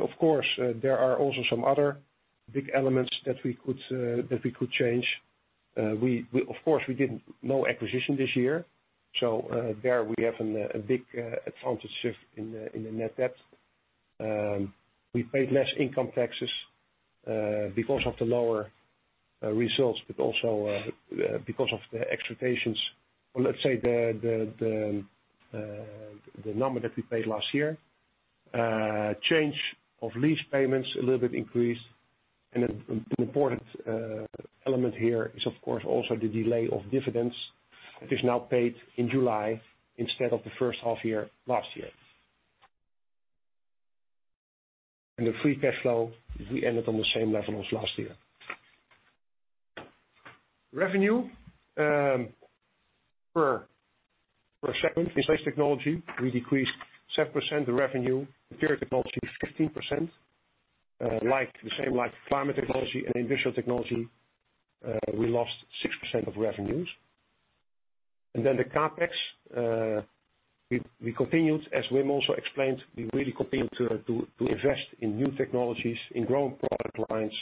there are also some other big elements that we could change. Of course, we did no acquisition this year, so there we have a big advantage shift in the net debt. We paid less income taxes because of the lower results, but also because of the expectations. Let's say the number that we paid last year. Change of lease payments, a little bit increased. An important element here is, of course, also the delay of dividends that is now paid in July instead of the first half year last year. The free cash flow, we ended on the same level as last year. Revenue, per segment. Installation Technology, we decreased 7% of revenue. Material Technology, 15%, the same like Climate Technology and Industrial Technology. We lost 6% of revenues. The CapEx, as Wim also explained, we really continued to invest in new technologies, in growing product lines,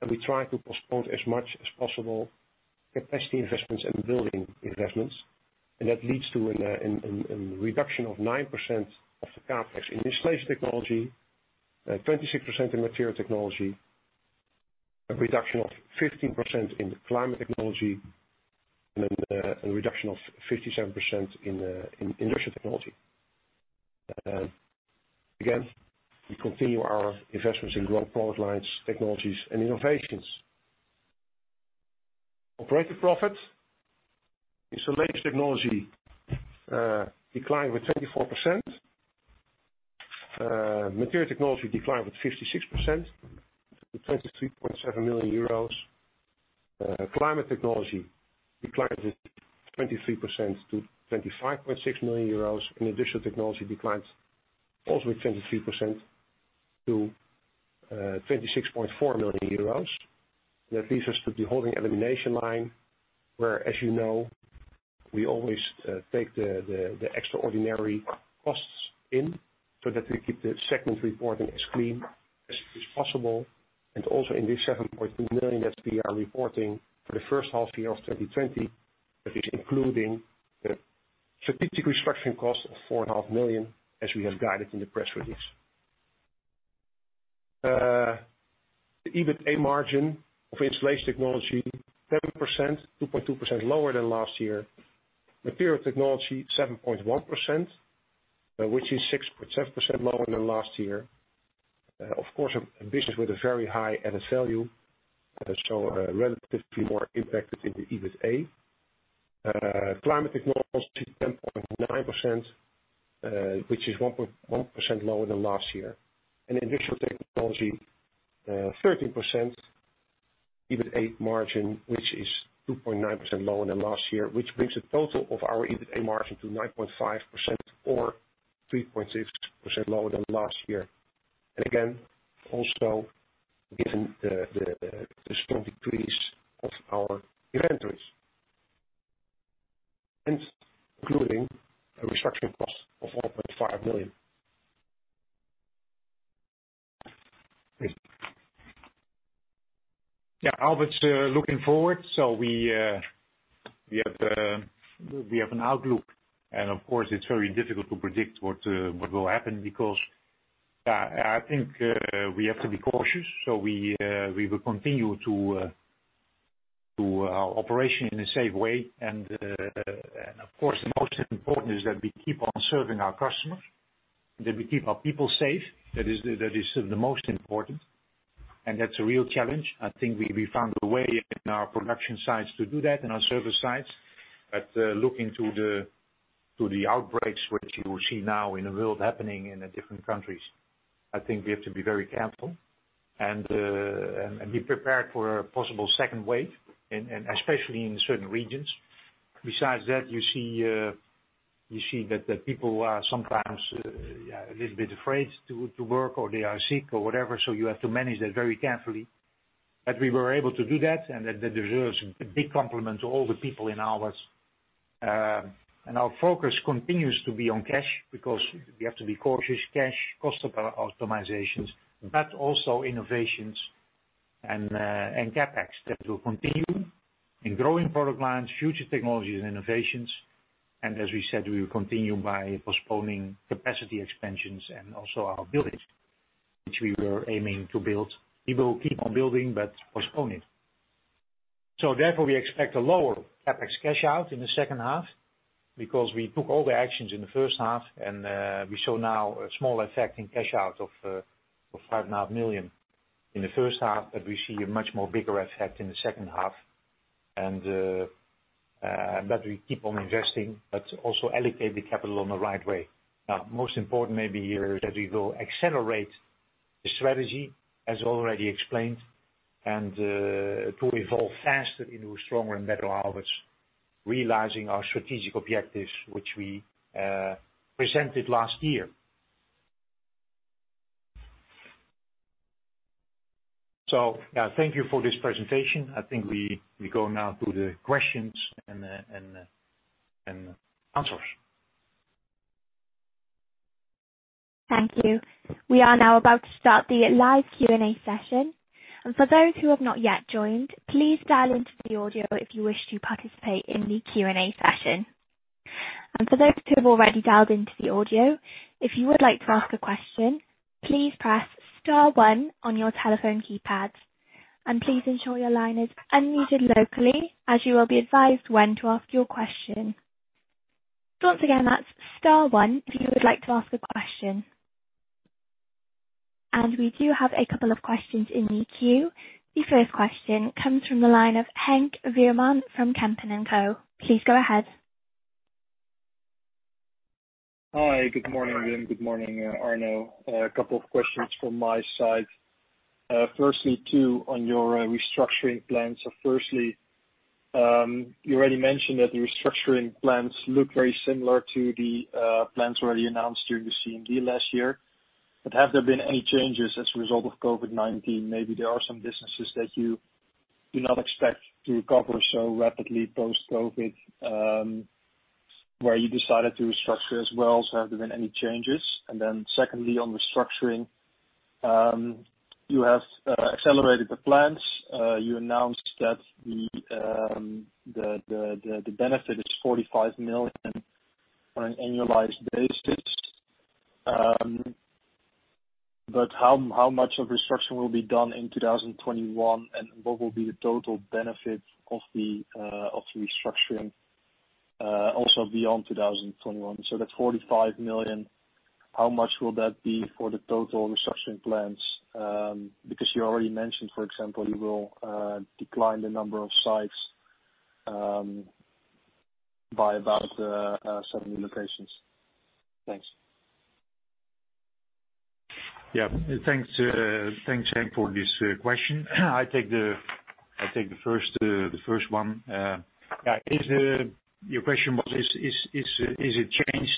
and we try to postpone as much as possible capacity investments and building investments. That leads to a reduction of 9% of the CapEx in Installation Technology, 26% in Material Technology, a reduction of 15% in Climate Technology, a reduction of 57% in Industrial Technology. Again, we continue our investments in growing product lines, technologies, and innovations. Operating profit. Installation Technology declined with 24%. Material Technology declined with 56% to 23.7 million euros. Climate Technology declined with 23% to 25.6 million euros, Industrial Technology declined also with 23% to 26.4 million euros. That leaves us to the holding elimination line, where, as you know, we always take the extraordinary costs in so that we keep the second reporting as clean as possible. Also in this 7.3 million that we are reporting for the first half year of 2020, that is including the strategic restructuring cost of 4.5 Million, as we have guided in the press release. The EBITA margin for Installation Technology, 7%, 2.2% lower than last year. Material Technology, 7.1%, which is 6.7% lower than last year. Of course, ambitious with a very high added value, so relatively more impacted in the EBITA. Climate Technology, 10.9%, which is 1% lower than last year. Industrial Technology 13% EBITA margin, which is 2.9% lower than last year, which brings the total of our EBITA margin to 9.5% or 3.6% lower than last year. Again, also given the strong decrease of our inventories, and including a restructuring cost of 4.5 million. Please. Yeah, Aalberts looking forward, so we have an outlook, and of course, it's very difficult to predict what will happen because I think we have to be cautious. We will continue to operation in a safe way, and of course, the most important is that we keep on serving our customers, that we keep our people safe. That is the most important, and that's a real challenge. I think we found a way in our production sites to do that, in our service sites. Looking to the outbreaks which you see now in the world happening in the different countries, I think we have to be very careful and be prepared for a possible second wave, and especially in certain regions. You see that the people are sometimes a little bit afraid to work or they are sick or whatever, you have to manage that very carefully. We were able to do that, and that deserves a big compliment to all the people in Aalberts. Our focus continues to be on cash because we have to be cautious. Cash, cost optimizations, also innovations and CapEx that will continue in growing product lines, future technologies, and innovations. As we said, we will continue by postponing capacity expansions and also our buildings, which we were aiming to build. We will keep on building postpone it. Therefore, we expect a lower CapEx cash-out in the second half because we took all the actions in the first half and we saw a small effect in cash-out of 5.5 Million in the first half, but we see a much more bigger effect in the second half. That we keep on investing, but also allocate the capital on the right way. Most important may be here that we will accelerate the strategy as already explained, and to evolve faster into a stronger and better Aalberts, realizing our strategic objectives, which we presented last year. Thank you for this presentation. I think we go now to the questions and answers. Thank you. We are now about to start the live Q&A session. For those who have not yet joined, please dial into the audio if you wish to participate in the Q&A session. For those who have already dialed into the audio, if you would like to ask a question, please press star one on your telephone keypads. Please ensure your line is unmuted locally, as you will be advised when to ask your question. Once again, that's star one if you would like to ask a question. We do have a couple of questions in the queue. The first question comes from the line of Henk Veerman from Kempen & Co. Please go ahead. Hi, good morning, Wim. Good morning, Arno. A couple of questions from my side. Firstly, two on your restructuring plans. Firstly, you already mentioned that the restructuring plans look very similar to the plans already announced during the CMD last year. Have there been any changes as a result of COVID-19? Maybe there are some businesses that you do not expect to recover so rapidly post-COVID, where you decided to restructure as well. Have there been any changes? Secondly, on restructuring, you have accelerated the plans. You announced that the benefit is 45 million on an annualized basis. How much of restructuring will be done in 2021? And what will be the total benefit of the restructuring also beyond 2021? That 45 million, how much will that be for the total restructuring plans? You already mentioned, for example, you will decline the number of sites by about seven locations. Thanks. Yeah. Thanks, Henk, for this question. I take the first one. Your question was, is it changed?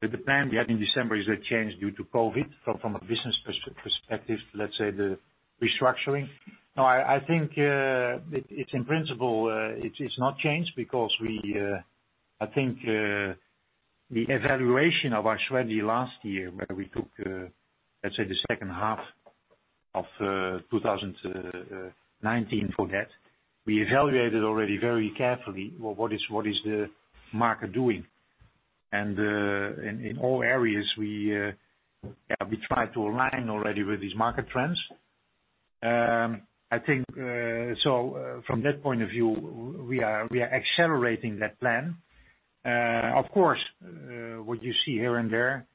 The plan we had in December is a change due to COVID from a business perspective, let's say, the restructuring. No, I think, in principle, it's not changed because I think the evaluation of our strategy last year, where we took, let's say, the second half of 2019, forget. We evaluated already very carefully what is the market doing, and in all areas, we tried to align already with these market trends. From that point of view, we are accelerating that plan. Of course, what you see here and there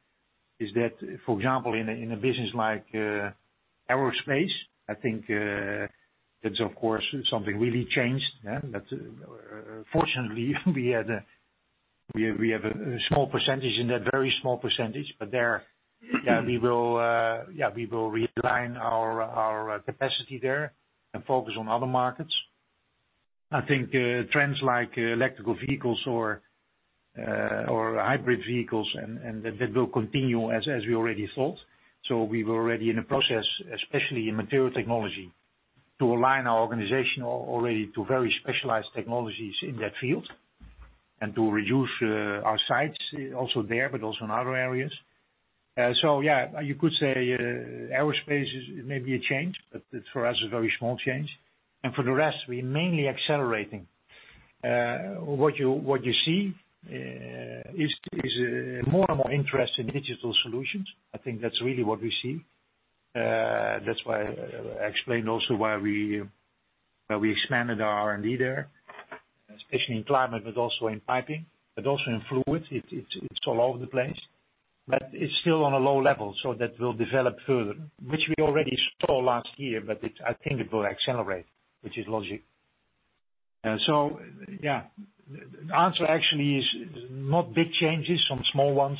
is that, for example, in a business like aerospace, I think that's, of course, something really changed. Fortunately, we have a small percentage in that, very small percentage. There, we will realign our capacity there and focus on other markets. I think trends like electrical vehicles or hybrid vehicles, and that will continue as we already thought. We were already in a process, especially in Material Technology, to align our organization already to very specialized technologies in that field and to reduce our sites also there, but also in other areas. Yeah, you could say aerospace is maybe a change, but for us, a very small change. For the rest, we are mainly accelerating. What you see is more and more interest in digital solutions. I think that's really what we see. That's why I explained also where we expanded our R&D there, especially in Climate, but also in Piping, but also in Fluids. It's all over the place. It's still on a low level, so that will develop further, which we already saw last year, but I think it will accelerate, which is logic. Yeah, the answer actually is not big changes, some small ones,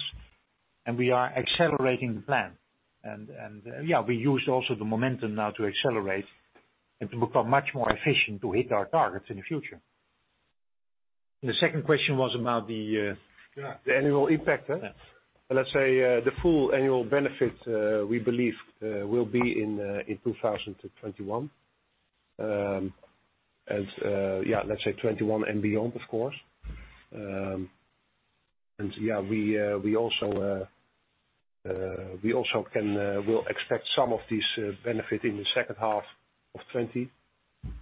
and we are accelerating the plan. Yeah, we use also the momentum now to accelerate and to become much more efficient to hit our targets in the future. Yes. The second question was about the annual impact, right? Let's say the full annual benefit, we believe, will be in 2021. Let's say 2021 and beyond, of course. We also will expect some of these benefit in the second half of 2020,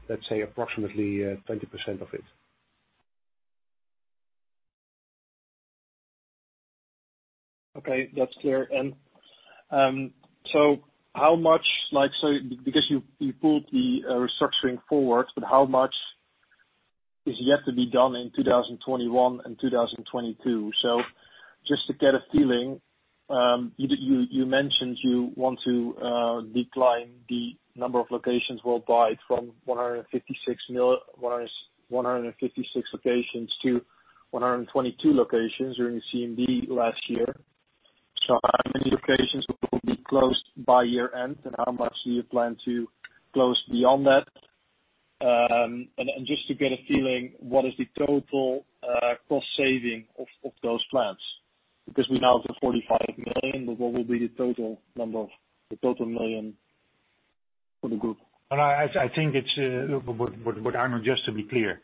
let's say approximately 20% of it. Okay, that's clear. You pulled the restructuring forward, but how much is yet to be done in 2021 and 2022? Just to get a feeling, you mentioned you want to decline the number of locations worldwide from 156 locations to 122 locations during CMD last year. How many locations will be closed by year-end, and how much do you plan to close beyond that? Just to get a feeling, what is the total cost saving of those plans? We now have the 45 million, but what will be the total million for the group? Arno, just to be clear.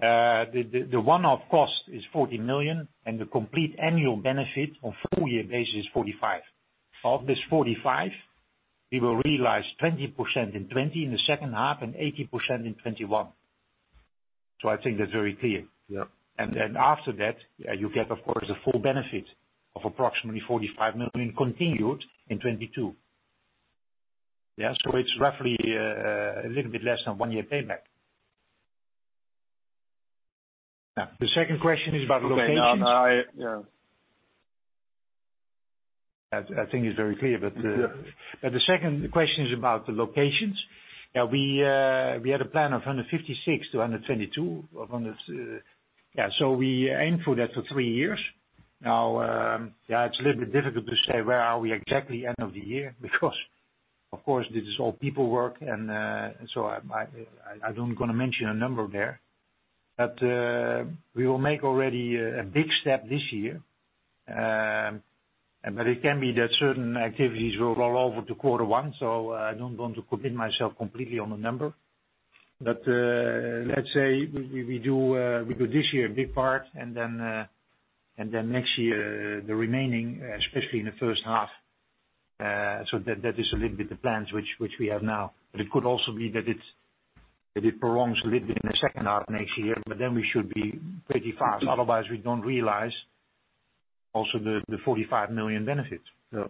The one-off cost is 40 million, and the complete annual benefit on full year basis is 45 million. Of this 45 million, we will realize 20% in 2020, in the second half, and 80% in 2021. I think that's very clear. Yeah. After that, you get, of course, the full benefit of approximately 45 million continued in 2022. It's roughly a little bit less than one-year payback. The second question is about locations. Okay. I think it's very clear. Yeah. The second question is about the locations. We had a plan of 156 to 122. We aim for that for three years. Now, it's a little bit difficult to say where are we exactly end of the year because, of course, this is all people work, and so I don't want to mention a number there. We will make already a big step this year. It can be that certain activities will roll over to quarter one, so I don't want to commit myself completely on a number. Let's say we do this year a big part, and then next year, the remaining, especially in the first half. That is a little bit the plans which we have now. It could also be that it prolongs a little bit in the second half next year, but then we should be pretty fast. Otherwise, we don't realize also the EUR 45 million benefits. Yeah.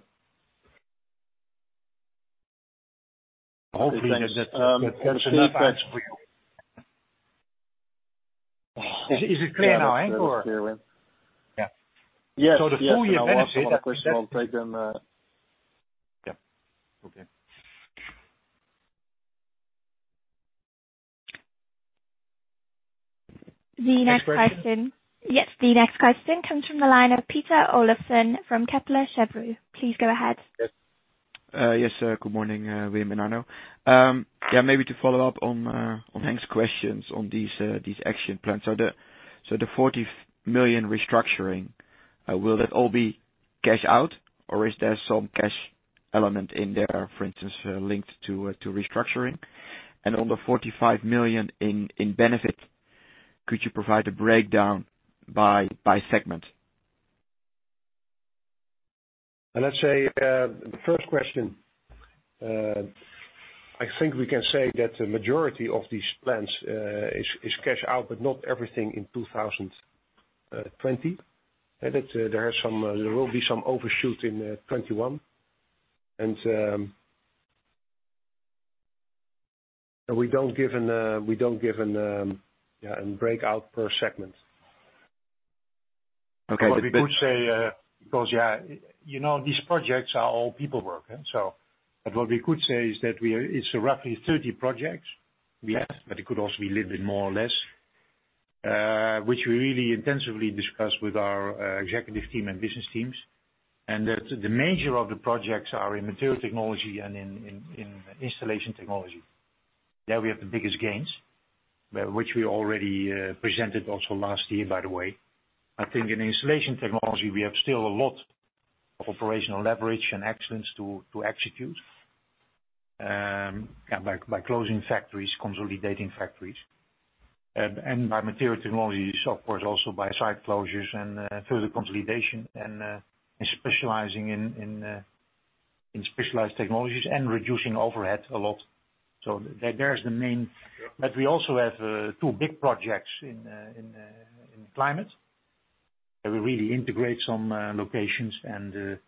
Hopefully that answers enough for you. Is it clear now, Henk? That's clear. Yeah. So the full year benefit- I have one other question. I'll take them. Yeah. Okay. The next question. Next question. Yes. The next question comes from the line of Peter Olofsen from Kepler Cheuvreux. Please go ahead. Yes, good morning. Wim and Arno. Maybe to follow up on Henk's questions on these action plans. The 40 million restructuring, will that all be cash out or is there some cash element in there, for instance, linked to restructuring? On the 45 million in benefit, could you provide a breakdown by segment? Let's say, the first question, I think we can say that the majority of these plans is cash out, but not everything in 2020. There will be some overshoot in 2021. We don't give a breakout per segment. Okay. What we could say, because these projects are all people work. What we could say is that it's roughly 30 projects we have, but it could also be little bit more or less, which we really intensively discuss with our executive team and business teams, and that the major of the projects are in Material Technology and in Installation Technology. There we have the biggest gains, which we already presented also last year, by the way. I think in Installation Technology, we have still a lot of operational leverage and excellence to execute, by closing factories, consolidating factories. By Material Technology, of course, also by site closures and further consolidation and specializing in specialized technologies and reducing overheads a lot. We also have two big projects in climate, that will really integrate some locations and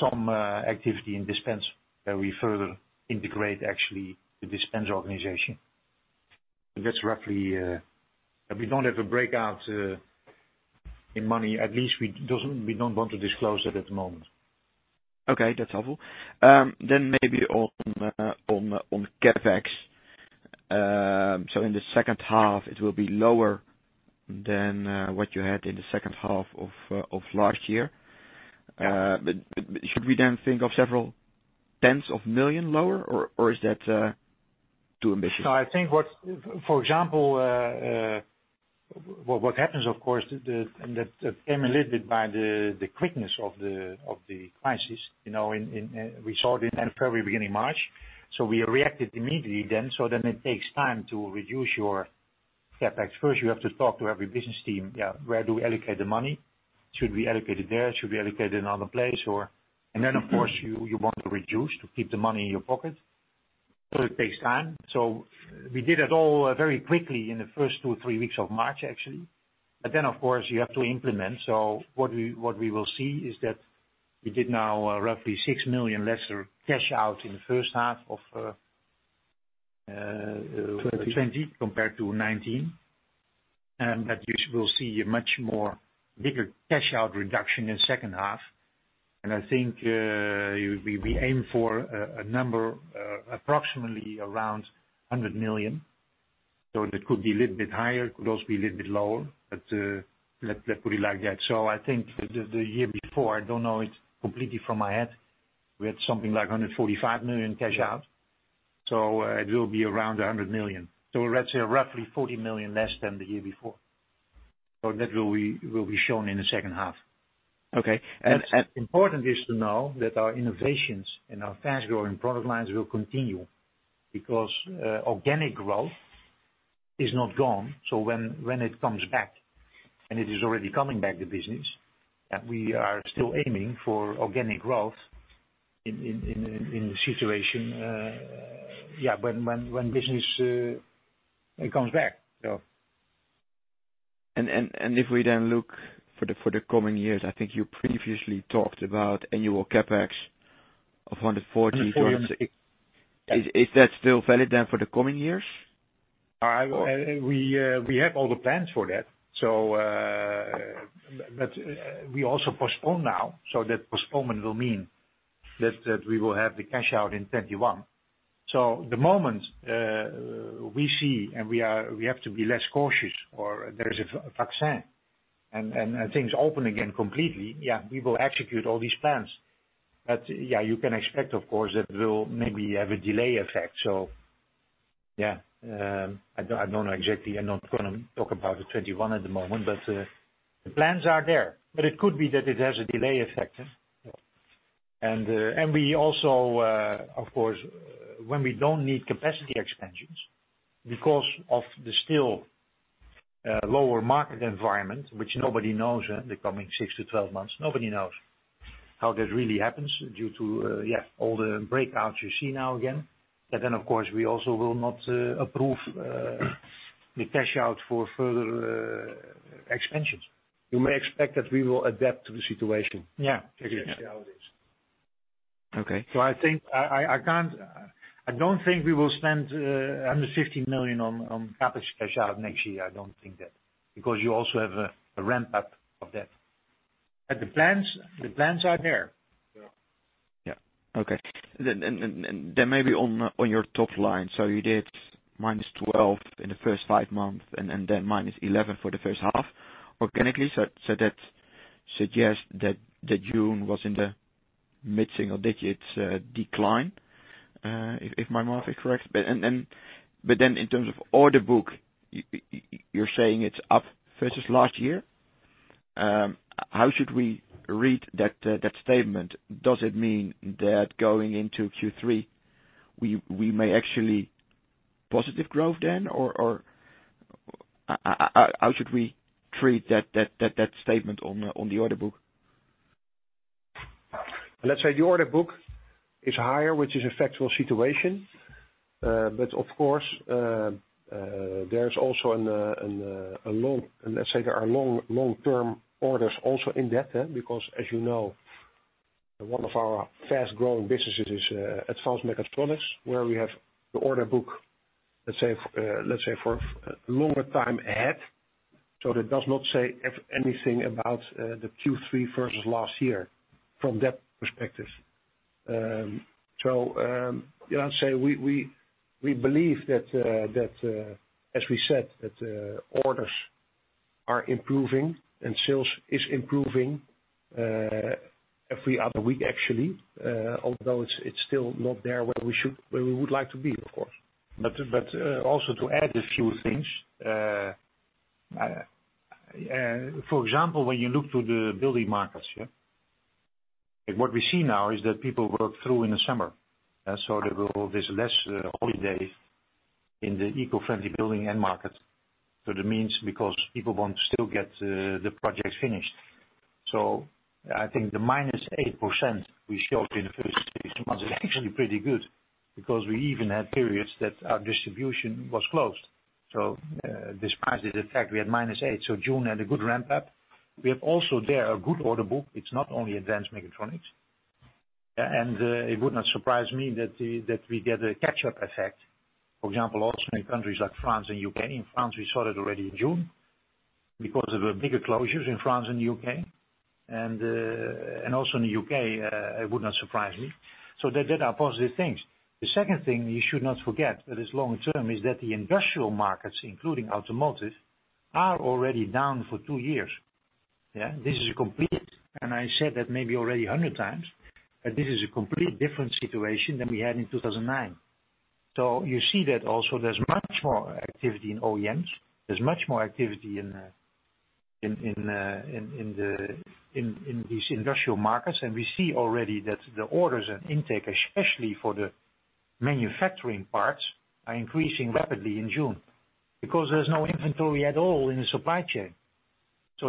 some activity in dispense that we further integrate, actually, the dispense organization. We don't have a breakout in money. At least, we don't want to disclose it at the moment. Okay, that's helpful. Maybe on CapEx. In the second half, it will be lower than what you had in the second half of last year. Should we then think of several tens of million lower, or is that too ambitious? No, for example, what happens, of course, that came a little bit by the quickness of the crisis. We saw it in February, beginning March. We reacted immediately then. Then it takes time to reduce your CapEx. First, you have to talk to every business team. Where do we allocate the money? Should we allocate it there? Should we allocate it in another place? Then, of course, you want to reduce to keep the money in your pocket. It takes time. We did it all very quickly in the first two, three weeks of March, actually. Then, of course, you have to implement. What we will see is that we did now roughly 6 million lesser cash out in the first half of. 2020 2020 compared to 2019. That you will see a much more bigger cash out reduction in the second half. I think we aim for a number approximately around 100 million. That could be a little bit higher, could also be a little bit lower, but let's put it like that. I think the year before, I don't know it completely from my head, we had something like 145 million cash out. It will be around 100 million. Let's say roughly 40 million less than the year before. That will be shown in the second half. Okay. What's important is to know that our innovations and our fast-growing product lines will continue, because organic growth is not gone. When it comes back, and it is already coming back, the business, that we are still aiming for organic growth in the situation, when business comes back. If we then look for the coming years, I think you previously talked about annual CapEx of 140 million. 140 million. Is that still valid then for the coming years? We have all the plans for that. We also postpone now, so that postponement will mean that we will have the cash out in 2021. The moment we see and we have to be less cautious or there is a vaccine and things open again completely, we will execute all these plans. You can expect, of course, that it will maybe have a delay effect. I don't know exactly. I'm not going to talk about the 2021 at the moment, but the plans are there. It could be that it has a delay effect. Yeah. We also, of course, when we don't need capacity expansions because of the still lower market environment, which nobody knows the coming 6-12 months, nobody knows how that really happens due to all the outbreaks you see now again. Of course, we also will not approve the cash out for further expansions. You may expect that we will adapt to the situation. Yeah. That's how it is. Okay. I don't think we will spend 150 million on CapEx cash out next year. I don't think that, because you also have a ramp-up of that. The plans are there. Yeah. Okay. Maybe on your top line. You did -12% in the first five months and then -11% for the first half. Organically, that suggests that June was in the mid-single digits decline, if my math is correct. In terms of order book, you're saying it's up versus last year? How should we read that statement? Does it mean that going into Q3, we may actually positive growth then? How should we treat that statement on the order book? Let's say the order book is higher, which is a factual situation. Of course, there's also, let's say there are long-term orders also in that. As you know, one of our fast-growing businesses is advanced mechatronics, where we have the order book, let's say, for a longer time ahead. That does not say anything about the Q3 versus last year from that perspective. Let's say we believe that, as we said, that orders are improving and sales is improving every other week actually, although it's still not there where we would like to be, of course. Also to add a few things. For example, when you look to the building markets. What we see now is that people work through in the summer. There's less holiday in the eco-friendly building end market. That means because people want to still get the project finished. I think the -8% we showed in the first six months is actually pretty good, because we even had periods that our distribution was closed. Despite this effect, we had -8. June had a good ramp up. We have also there a good order book. It's not only advanced mechatronics. It would not surprise me that we get a catch-up effect. For example, also in countries like France and U.K. In France, we saw that already in June, because of the bigger closures in France and U.K. Also in the U.K., it would not surprise me. That there are positive things. The second thing you should not forget that is long term, is that the industrial markets, including automotive, are already down for two years. This is complete. I said that maybe already 100 times, this is a complete different situation than we had in 2009. You see that also there's much more activity in OEMs. There's much more activity in these industrial markets. We see already that the orders and intake, especially for the manufacturing parts, are increasing rapidly in June. Because there's no inventory at all in the supply chain.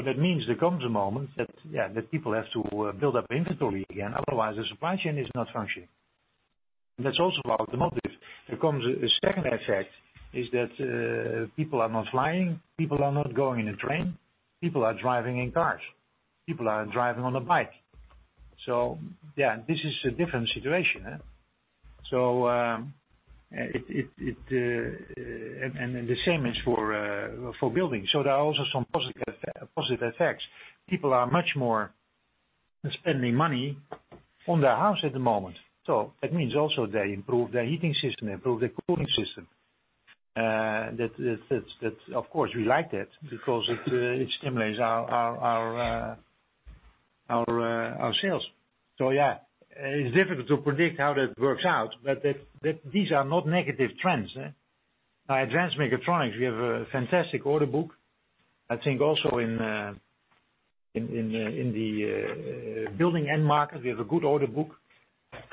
That means there comes a moment that people have to build up inventory again, otherwise the supply chain is not functioning. That's also automotive. There comes a second effect, is that people are not flying, people are not going in a train, people are driving in cars. People are driving on a bike. Yeah, this is a different situation. The same is for building. There are also some positive effects. People are much more spending money on their house at the moment, so that means also they improve their heating system, improve their cooling system. Of course, we like that because it stimulates our sales. Yeah, it's difficult to predict how that works out, but these are not negative trends. advanced mechatronics, we have a fantastic order book. I think also in the building end market, we have a good order book.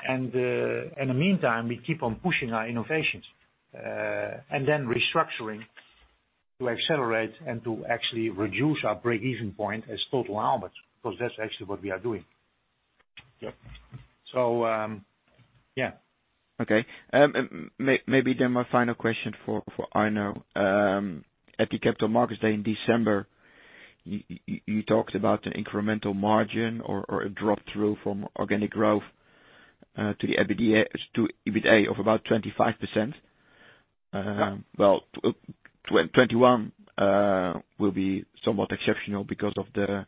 In the meantime, we keep on pushing our innovations, and then restructuring to accelerate and to actually reduce our break-even point as total Aalberts, because that's actually what we are doing. Yep. Yeah. Okay. Maybe my final question for Arno. At the Capital Markets Day in December, you talked about an incremental margin or a drop-through from organic growth to the EBITDA of about 25%. 2021 will be somewhat exceptional because of the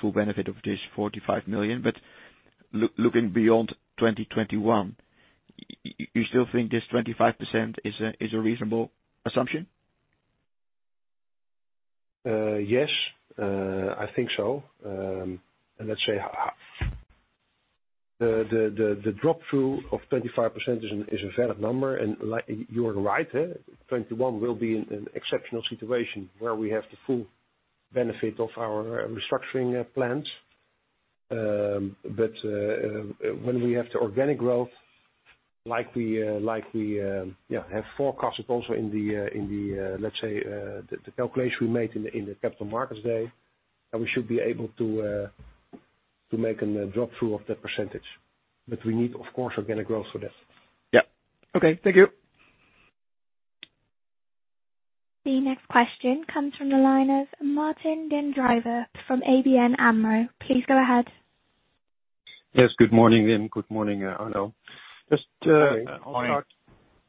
full benefit of this 45 million. Looking beyond 2021, you still think this 25% is a reasonable assumption? Yes, I think so. Let's say, the drop-through of 25% is a valid number, and you're right, 2021 will be an exceptional situation where we have the full benefit of our restructuring plans. When we have the organic growth, like we have forecasted also in the, let's say, the calculation we made in the Capital Markets Day, we should be able to make a drop-through of that percentage. We need, of course, organic growth for this. Yep. Okay. Thank you. The next question comes from the line of Martijn den Drijver from ABN AMRO. Please go ahead. Yes, good morning, and good morning, Arno. Morning.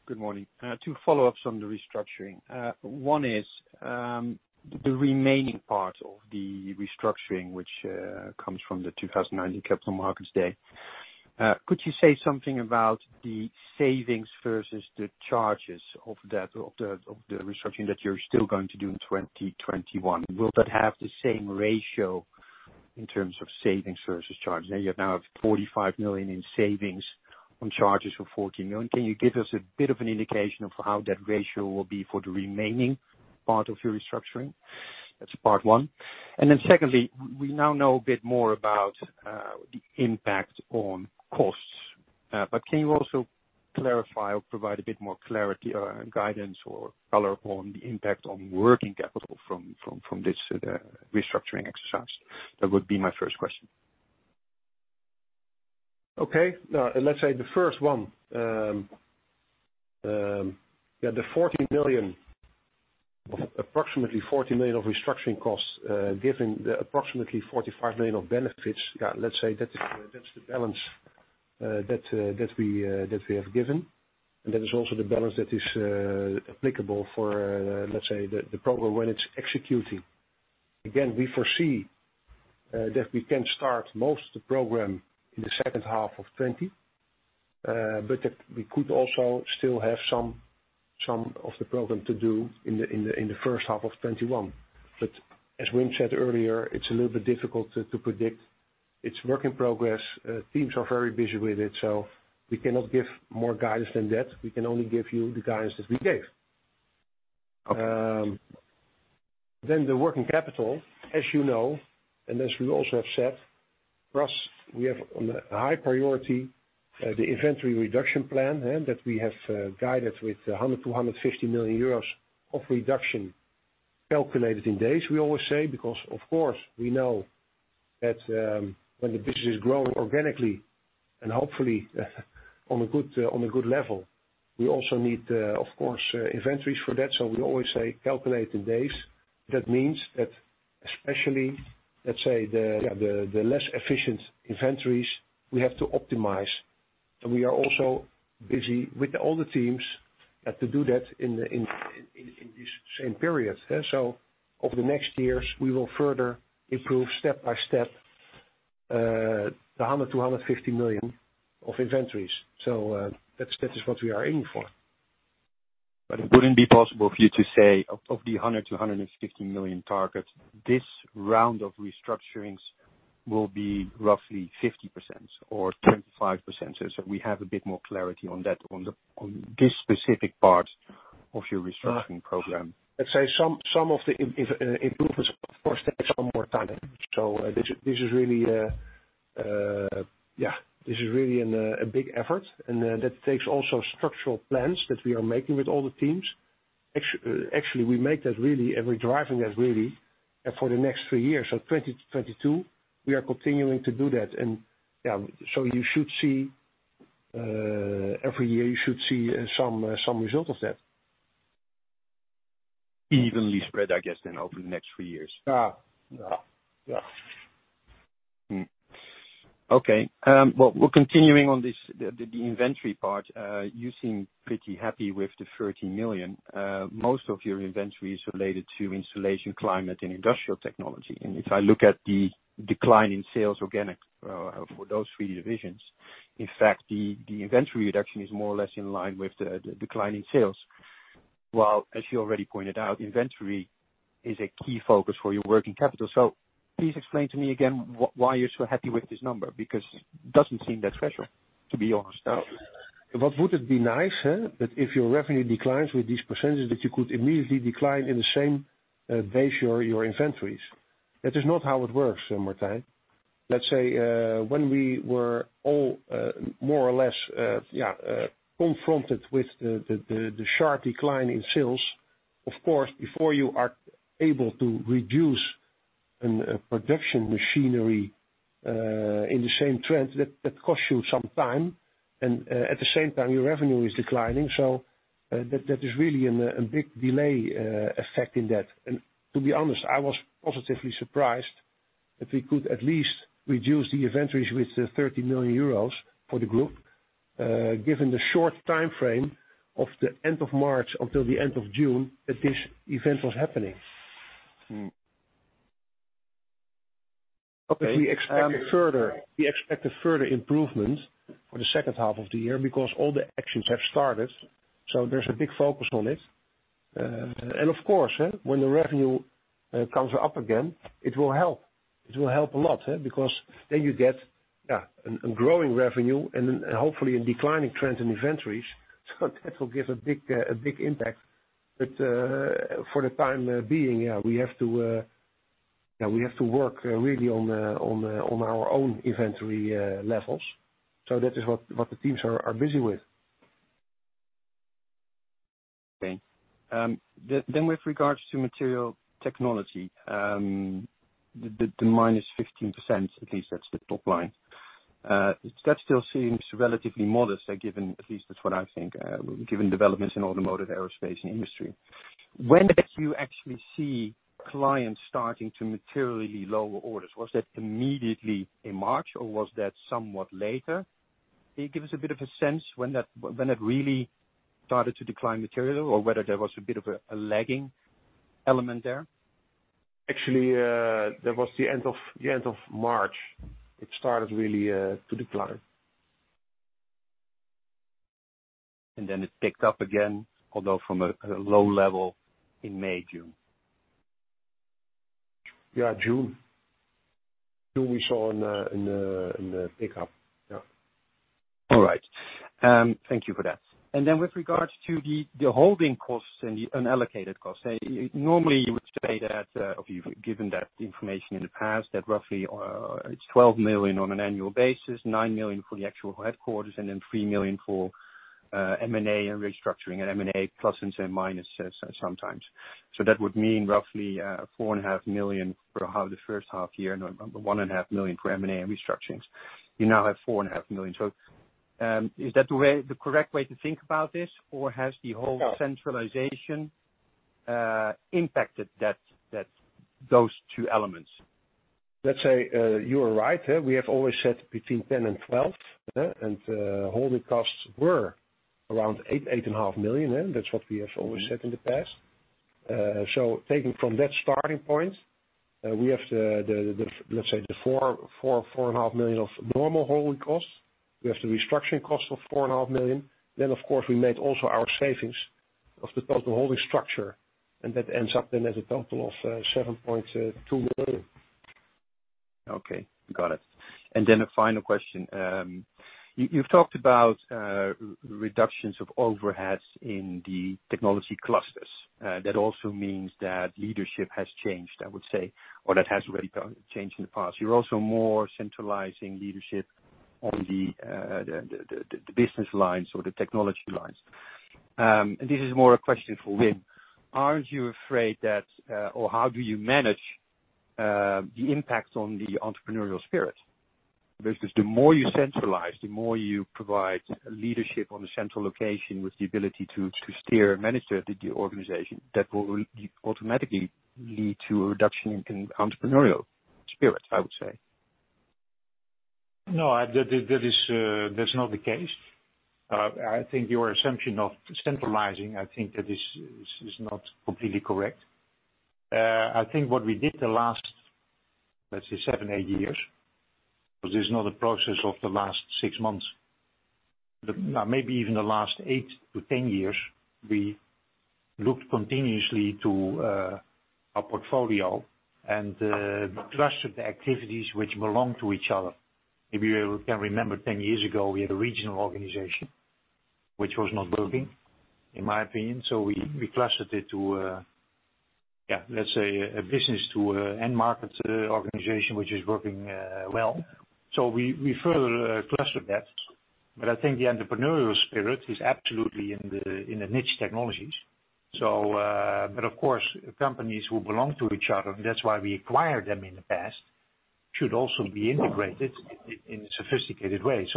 Good morning. Two follow-ups on the restructuring. One is, the remaining part of the restructuring, which comes from the 2019 Capital Markets Day. Could you say something about the savings versus the charges of the restructuring that you're still going to do in 2021? Will that have the same ratio in terms of savings versus charges? Now you have 45 million in savings on charges of 40 million. Can you give us a bit of an indication of how that ratio will be for the remaining part of your restructuring? That's part one. Secondly, we now know a bit more about the impact on costs. Can you also clarify or provide a bit more clarity or guidance or color on the impact on working capital from this restructuring exercise? That would be my first question. Okay. Let's say the first one. The approximately 40 million of restructuring costs, given the approximately 45 million of benefits, let's say that's the balance that we have given, and that is also the balance that is applicable for, let's say, the program when it's executing. We foresee that we can start most of the program in the second half of 2020, but that we could also still have some of the program to do in the first half of 2021. As Wim said earlier, it's a little bit difficult to predict. It's work in progress. teams are very busy with it, we cannot give more guidance than that. We can only give you the guidance that we gave. Okay. The working capital, as you know, and as we also have said, for us, we have on the high priority, the inventory reduction plan that we have guided with 100 million-150 million euros of reduction calculated in days, we always say, because of course we know that when the business is growing organically and hopefully on a good level, we also need, of course, inventories for that. We always say calculate in days. That means that especially, let's say the less efficient inventories we have to optimize. We are also busy with all the teams to do that in this same period. Over the next years, we will further improve step by step the 100 million-150 million of inventories. That is what we are aiming for. It wouldn't be possible for you to say of the 100 million-150 million target, this round of restructurings will be roughly 50% or 25%, so we have a bit more clarity on that, on this specific part of your restructuring program. Let's say some of the improvements, of course, take some more time. This is really a big effort, and that takes also structural plans that we are making with all the teams. Actually, we make that really, and we're driving that really for the next three years. 2022, we are continuing to do that. You should see, every year you should see some result of that. Evenly spread, I guess then, over the next three years. Yeah. Okay. Well, we're continuing on the inventory part. You seem pretty happy with the 30 million. Most of your inventory is related to Installation Technology, Climate Technology, and Industrial Technology. If I look at the decline in sales organic, for those three divisions, in fact, the inventory reduction is more or less in line with the decline in sales. While, as you already pointed out, inventory is a key focus for your working capital. Please explain to me again why you're so happy with this number, because it doesn't seem that special, to be honest. Would it be nice, that if your revenue declines with this percentage, that you could immediately decline in the same base your inventories. That is not how it works, Martijn. Let's say, when we were all more or less confronted with the sharp decline in sales, of course, before you are able to reduce production machinery in the same trend, that costs you some time, and at the same time, your revenue is declining. That is really a big delay effect in that. To be honest, I was positively surprised that we could at least reduce the inventories with 30 million euros for the group, given the short timeframe of the end of March until the end of June that this event was happening. Okay. We expect a further improvement for the second half of the year because all the actions have started, so there's a big focus on it. Of course, when the revenue comes up again, it will help. It will help a lot, because then you get a growing revenue and hopefully a declining trend in inventories, so that will give a big impact. For the time being, we have to work really on our own inventory levels. That is what the teams are busy with. Okay. With regards to Material Technology, the minus 15%, at least that's the top line. That still seems relatively modest, at least that's what I think, given developments in automotive, aerospace, and Industry. When did you actually see clients starting to materially lower orders? Was that immediately in March, or was that somewhat later? Can you give us a bit of a sense when that really started to decline materially, or whether there was a bit of a lagging element there? Actually, that was the end of March. It started really to decline. It picked up again, although from a low level in May, June. Yeah, June. June, we saw in the pickup. Yeah. All right. Thank you for that. With regards to the holding costs and the unallocated costs, normally you would say that, or you've given that information in the past, that roughly it's 12 million on an annual basis, 9 million for the actual headquarters, and then 3 million for M&A and restructuring, and M&A plus and minus sometimes. That would mean roughly 4.5 million for the first half year. 1.5 million for M&A and restructurings. You now have 4.5 million. Is that the correct way to think about this, or has the whole centralization impacted those two elements? Let's say, you are right. We have always said between 10 and 12, and holding costs were around 8 million-8.5 million. That's what we have always said in the past. Taking from that starting point, we have let's say the 4.5 million of normal holding costs. We have the restructuring cost of 4.5 million. Of course, we made also our savings of the total holding structure, and that ends up then as a total of 7.2 million. Okay. Got it. A final question. You've talked about reductions of overheads in the technology clusters. That also means that leadership has changed, I would say, or that has already changed in the past. You're also more centralizing leadership on the business lines or the technology lines. This is more a question for Wim. Aren't you afraid that, or how do you manage the impact on the entrepreneurial spirit? The more you centralize, the more you provide leadership on the central location with the ability to steer and manage the organization, that will automatically lead to a reduction in entrepreneurial spirit, I would say. No, that's not the case. I think your assumption of centralizing, that this is not completely correct. I think what we did the last, let's say seven, eight years, because this is not a process of the last six months, maybe even the last 8-10 years, we looked continuously to our portfolio and clustered the activities which belong to each other. If you can remember, 10 years ago, we had a regional organization which was not working, in my opinion. We clustered it to, let's say, a business to end markets organization, which is working well. We further clustered that. I think the entrepreneurial spirit is absolutely in the niche technologies. Of course, companies who belong to each other, and that's why we acquired them in the past, should also be integrated in a sophisticated way.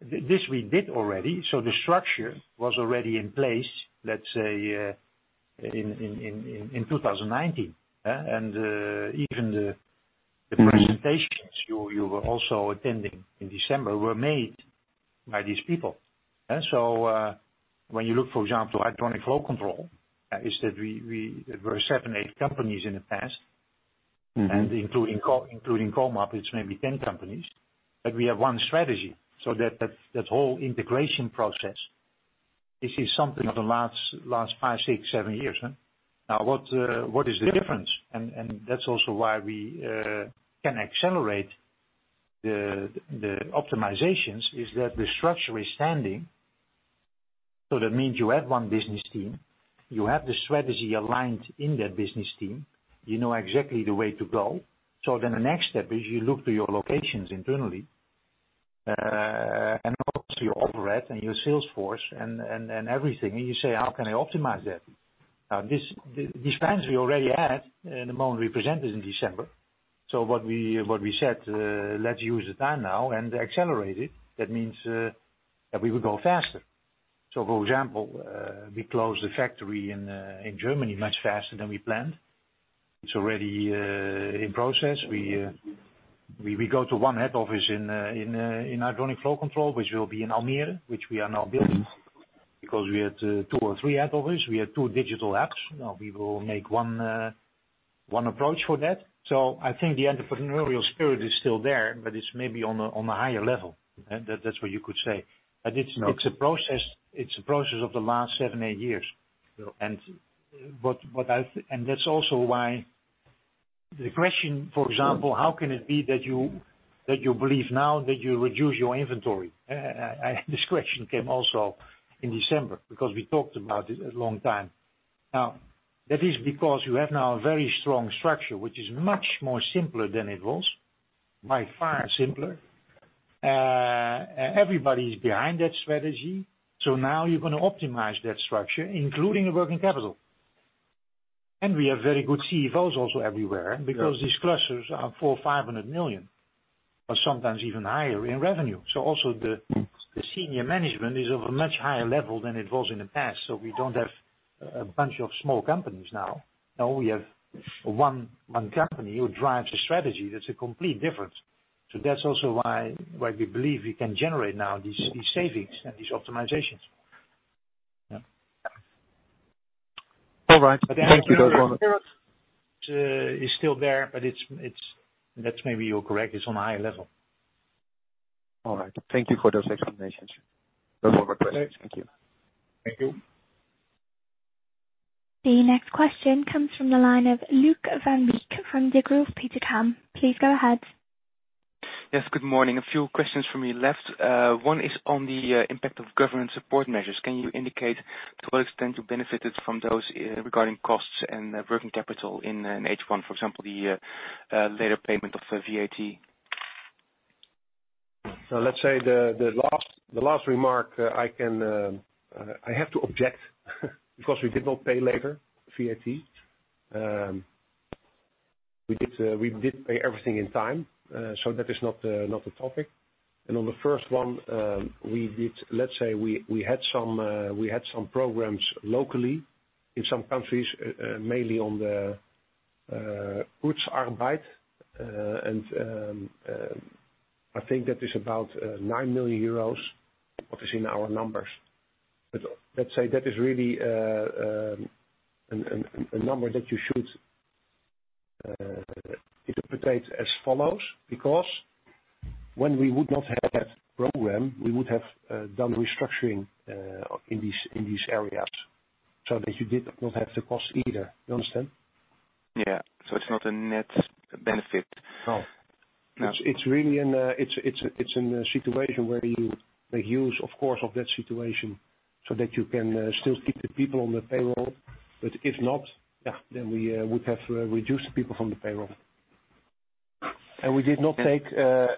This we did already, so the structure was already in place, let's say, in 2019. Even the presentations you were also attending in December were made by these people. When you look, for example, at Hydronic Flow Control, there were seven, eight companies in the past, and including Comap, it's maybe 10 companies, but we have one strategy. That whole integration process, this is something of the last five, six, seven years. Now, what is the difference? That's also why we can accelerate the optimizations, is that the structure is standing. That means you have one business team, you have the strategy aligned in that business team. You know exactly the way to go. The next step is you look to your locations internally, and obviously your overhead and your sales force and everything, and you say, "How can I optimize that?" These plans we already had the moment we presented in December. What we said, let's use the time now and accelerate it. That means that we will go faster. For example, we closed the factory in Germany much faster than we planned. It's already in process. We go to one head office in Hydronic Flow Control, which will be in Almere, which we are now building, because we had two or three head offices, we had two digital apps. We will make one approach for that. I think the entrepreneurial spirit is still there, but it's maybe on a higher level. That's what you could say. It's a process of the last seven, eight years. That's also why the question, for example, how can it be that you believe now that you reduce your inventory? This question came also in December because we talked about it a long time. That is because you have now a very strong structure, which is much more simpler than it was, by far simpler. Everybody is behind that strategy. Now you're going to optimize that structure, including the working capital. We have very good CEOs also everywhere, because these clusters are 400 million or 500 million, or sometimes even higher in revenue. Also the senior management is of a much higher level than it was in the past. We don't have a bunch of small companies now. We have one company who drives a strategy that's a complete difference. That's also why we believe we can generate now these savings and these optimizations. Yeah. All right. Thank you very much. Is still there, but that's maybe you're correct, it's on a higher level. All right. Thank you for those explanations. No more questions. Thank you. Thank you. The next question comes from the line of Luuk van Beek from Degroof Petercam. Please go ahead. Yes, good morning. A few questions from me left. One is on the impact of government support measures. Can you indicate to what extent you benefited from those regarding costs and working capital in H1, for example, the later payment of VAT? Let's say the last remark, I have to object because we did not pay later VAT. We did pay everything on time, so that is not the topic. On the first one, let's say we had some programs locally in some countries, mainly on the Kurzarbeit, and I think that is about 9 million euros, what is in our numbers. Let's say that is really a number that you should interpret as follows, because when we would not have that program, we would have done restructuring in these areas, so that you did not have the cost either. You understand? Yeah. It's not a net benefit. No. It's in a situation where you make use, of course, of that situation so that you can still keep the people on the payroll. If not, we would have reduced people from the payroll. We did not take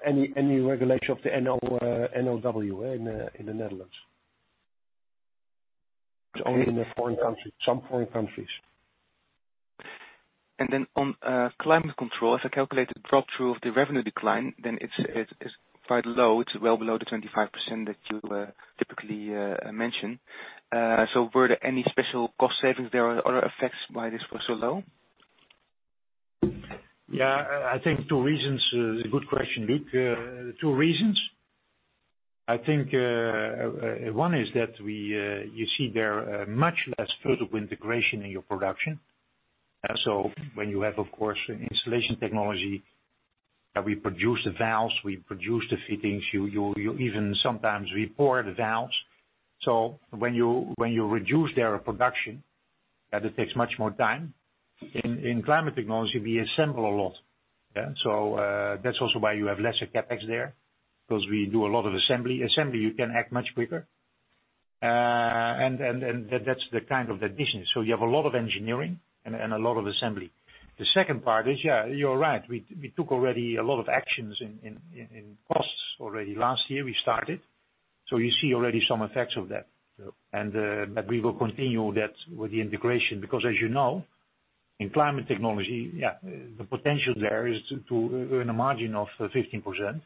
any regulation of the NOW in the Netherlands. It's only in some foreign countries. On climate control, if I calculate the drop-through of the revenue decline, it's quite low. It's well below the 25% that you typically mention. Were there any special cost savings there or other effects why this was so low? Yeah, I think two reasons. It's a good question, Luuk. Two reasons. I think, one is that you see there much less vertical integration in your production. When you have, of course, Installation Technology, we produce the valves, we produce the fittings, you even sometimes we pour the valves. When you reduce their production, that takes much more time. In Climate Technology, we assemble a lot. That's also why you have lesser CapEx there, because we do a lot of assembly. Assembly, you can act much quicker. That's the kind of addition. You have a lot of engineering and a lot of assembly. The second part is, you're right, we took already a lot of actions in costs already. Last year, we started. You see already some effects of that. Sure. That we will continue that with the integration, because as you know, in Climate Technology, the potential there is to earn a margin of 15%,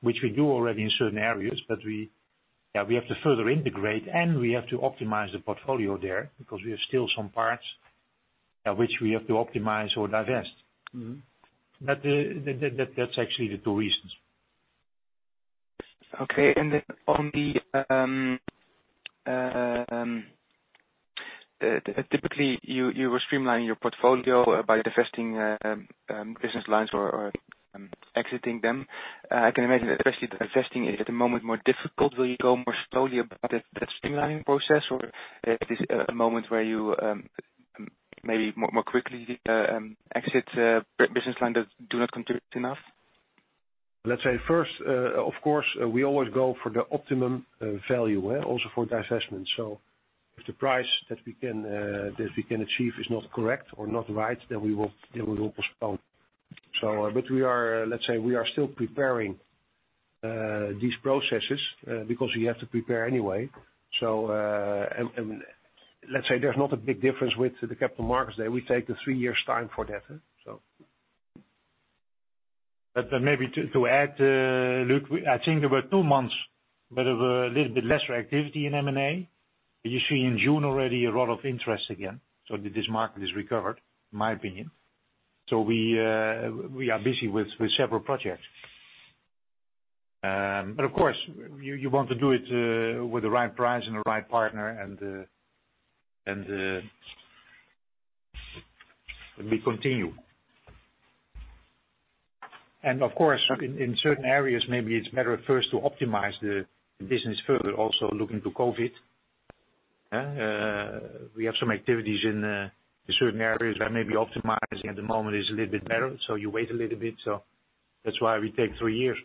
which we do already in certain areas, but we have to further integrate and we have to optimize the portfolio there because we have still some parts which we have to optimize or divest. That's actually the two reasons. Okay. Typically, you were streamlining your portfolio by divesting business lines or exiting them. I can imagine, especially divesting is at the moment more difficult. Will you go more slowly about that streamlining process, or is this a moment where you maybe more quickly exit business lines that do not contribute enough? Let's say first, of course, we always go for the optimum value, also for divestment. If the price that we can achieve is not correct or not right, then we will postpone. Let's say we are still preparing these processes because you have to prepare anyway. Let's say there's not a big difference with the Capital Markets Day. We take the three years time for that. Maybe to add, Luuk, I think there were two months, where there were a little bit lesser activity in M&A. You see in June already a lot of interest again. This market is recovered, in my opinion. We are busy with several projects. Of course, you want to do it with the right price and the right partner, and we continue. Of course, in certain areas, maybe it's better first to optimize the business further, also looking to COVID-19. We have some activities in certain areas where maybe optimizing at the moment is a little bit better, so you wait a little bit. That's why we take three years.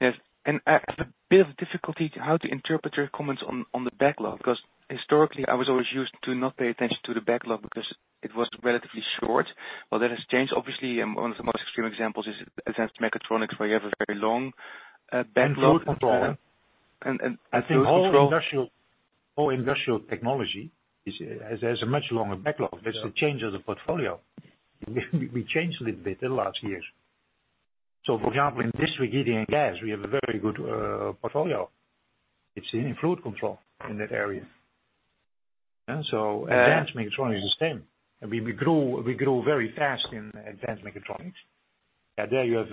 Yes. I have a bit of difficulty how to interpret your comments on the backlog, because historically, I was always used to not pay attention to the backlog because it was relatively short. That has changed. Obviously, one of the most extreme examples is advanced mechatronics, where you have a very long backlog. Fluid control. Fluid control. All Industrial Technology has a much longer backlog. That's the change of the portfolio. We changed a little bit in the last years. For example, in district heating and gas, we have a very good portfolio. It's in fluid control in that area. Advanced mechatronics is the same. We grew very fast in advanced mechatronics. There you have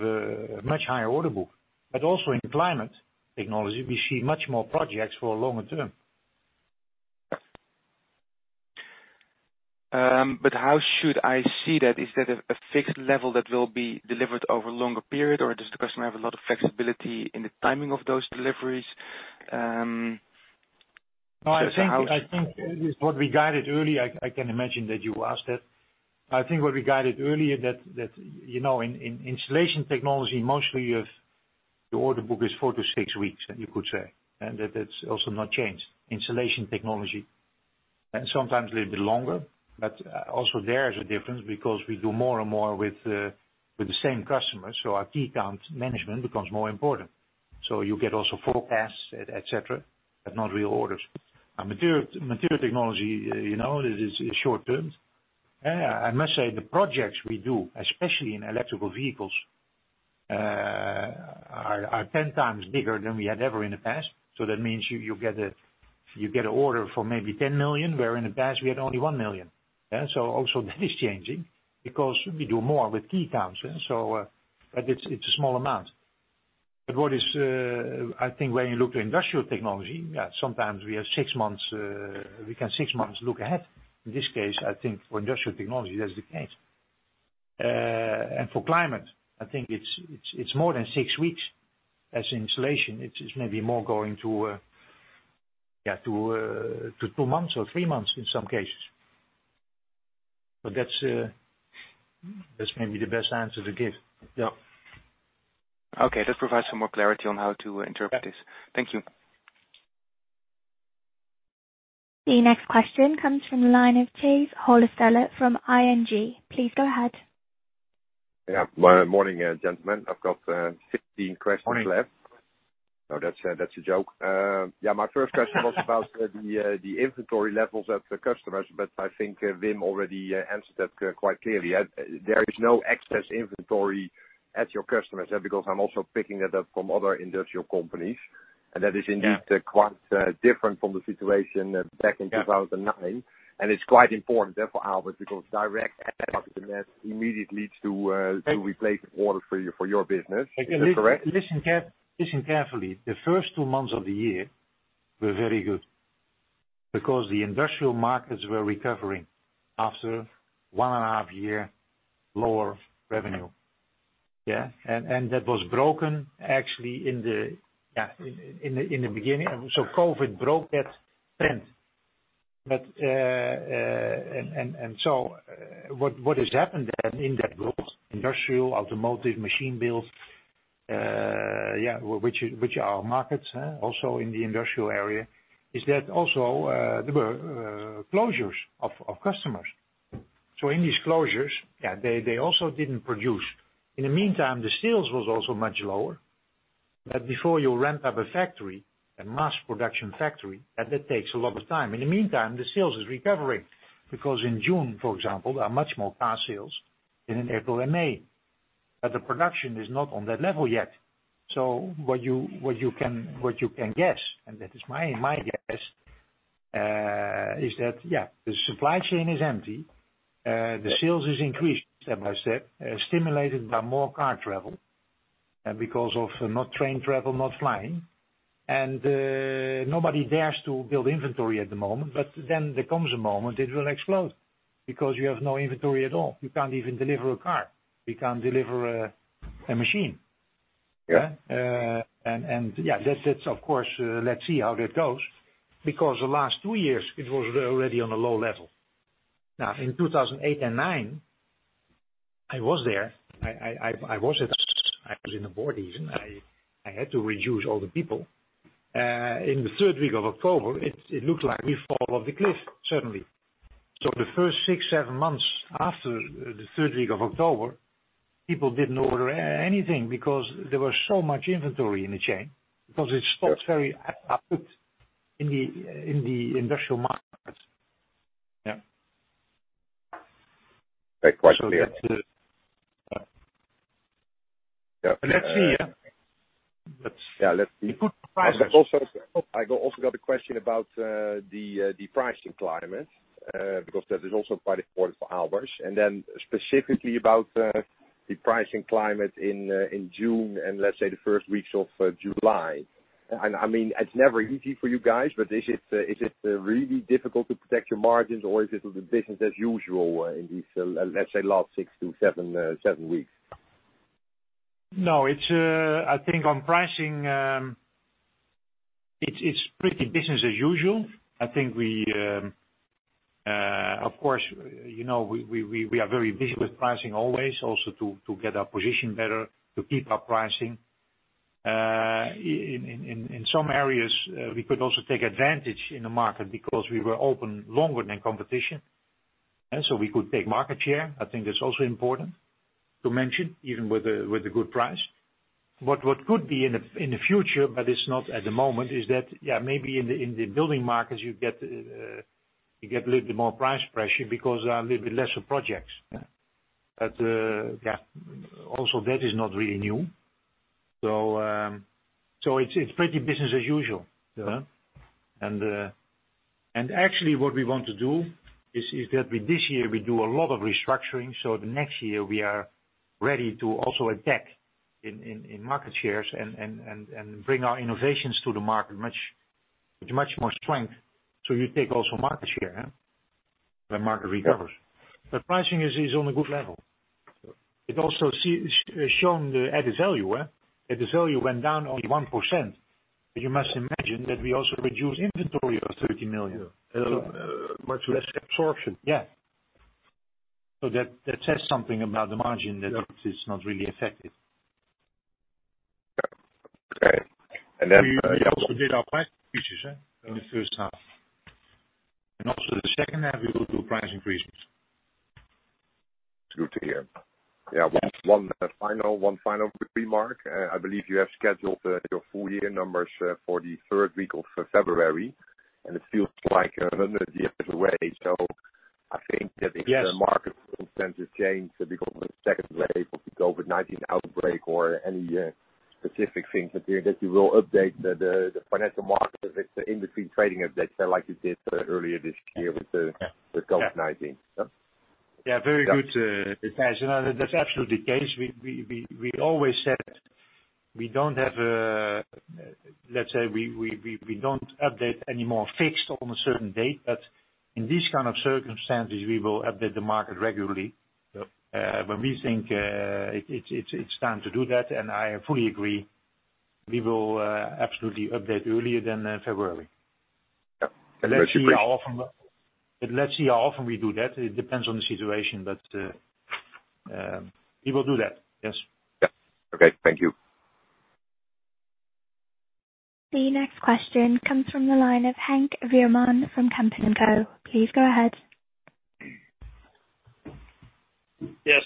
a much higher order book. Also in Climate Technology, we see many more projects for the longer term. How should I see that? Is that a fixed level that will be delivered over a longer period, or does the customer have a lot of flexibility in the timing of those deliveries? No, I think what we guided early, I can imagine that you asked that. I think what we guided earlier that in Installation Technology, mostly your order book is four to six weeks, you could say. That it's also not changed, Installation Technology. Sometimes a little bit longer, but also there is a difference because we do more and more with the same customers, so our key account management becomes more important. You get also forecasts, et cetera, but not real orders. Material Technology, it is short-term. I must say, the projects we do, especially in electrical vehicles, are 10 times bigger than we had ever in the past. That means you get an order for maybe 10 million, where in the past we had only 1 million. Also that is changing, because we do more with key accounts, but it's a small amount. What is, I think when you look at Industrial Technology, sometimes we can six months look ahead. In this case, I think for Industrial Technology, that's the case. For climate, I think it's more than six weeks as insulation. It's maybe more going to two months or three months in some cases. That's maybe the best answer to give. Yeah. Okay. That provides some more clarity on how to interpret this. Thank you. The next question comes from the line of Tijs Hollestelle from ING. Please go ahead. Yeah. Morning, gentlemen. I've got 15 questions left. Morning. No, that's a joke. Yeah, my first question was about the inventory levels at the customers, but I think Wim already answered that quite clearly. There is no excess inventory at your customers, because I'm also picking that up from other industrial companies, and that is indeed quite different from the situation back in 2009, and it's quite important there for Aalberts, because direct immediately leads to replacement orders for your business. Is that correct? Listen carefully. The first two months of the year were very good because the industrial markets were recovering after one and a half year lower revenue. Yeah. That was broken actually in the beginning. COVID broke that trend. What has happened then in that growth, industrial, automotive, machine build, which are markets also in the industrial area, is that also there were closures of customers. In these closures, they also didn't produce. In the meantime, the sales was also much lower. Before you ramp up a factory, a mass production factory, that takes a lot of time. In the meantime, the sales is recovering, because in June, for example, there are much more car sales than in April and May. The production is not on that level yet. What you can guess, and that is my guess, is that the supply chain is empty. The sales is increasing step by step, stimulated by more car travel, because of not train travel, not flying. Nobody dares to build inventory at the moment, there comes a moment it will explode because you have no inventory at all. You can't even deliver a car. We can't deliver a machine. Yeah. That's of course, let's see how that goes. The last two years, it was already on a low level. In 2008 and 2009, I was there. I was at Aalberts. I was in the board even. I had to reduce all the people. In the third week of October, it looked like we fall off the cliff, certainly. The first six, seven months after the third week of October, people didn't order anything because there was so much inventory in the chain because it stopped very abruptly in the industrial markets. Yeah. Quite clear. That's it. Yeah. Let's see. Yeah, let's see. Good progress. I also got a question about the pricing climate, because that is also quite important for Aalberts, and then specifically about the pricing climate in June and let's say the first weeks of July. It's never easy for you guys, but is it really difficult to protect your margins or is it business as usual in these, let's say last six to seven weeks? No. I think on pricing, it's pretty business as usual. Of course, we are very busy with pricing always also to get our position better, to keep up pricing. In some areas, we could also take advantage in the market because we were open longer than competition. We could take market share. I think that's also important to mention, even with the good price. What could be in the future, but it's not at the moment, is that maybe in the building markets, you get a little bit more price pressure because there are a little bit lesser projects. Yeah. Also that is not really new. It's pretty business as usual. Yeah. Actually what we want to do is that this year we do a lot of restructuring, so the next year we are ready to also attack in market shares and bring our innovations to the market with much more strength. You take also market share, when market recovers. Pricing is on a good level. It also showed the EBITDA went down only 1%. You must imagine that we also reduced inventory of 30 million. Much less absorption. Yeah. That says something about the margin that it is not really affected. Yeah. Okay. We also did our price increases in the first half. Also the second half, we will do price increases. Good to hear. Yeah. One final quick remark. I believe you have scheduled your full year numbers for the third week of February, and it feels like another year away. Yes I think the market circumstances change because of the second wave of the COVID-19 outbreak or any specific things appearing, that you will update the financial market with the in-between trading updates like you did earlier this year with the COVID-19. Yeah, very good. That's absolutely the case. We always said, we don't update any more fixed on a certain date, but in this kind of circumstances, we will update the market regularly. Yep. When we think it's time to do that, and I fully agree, we will absolutely update earlier than February. Yep. Let's see how often we do that, it depends on the situation. We will do that. Yes. Yeah. Okay. Thank you. The next question comes from the line of Henk Veerman from Kempen & Co. Please go ahead. Yes,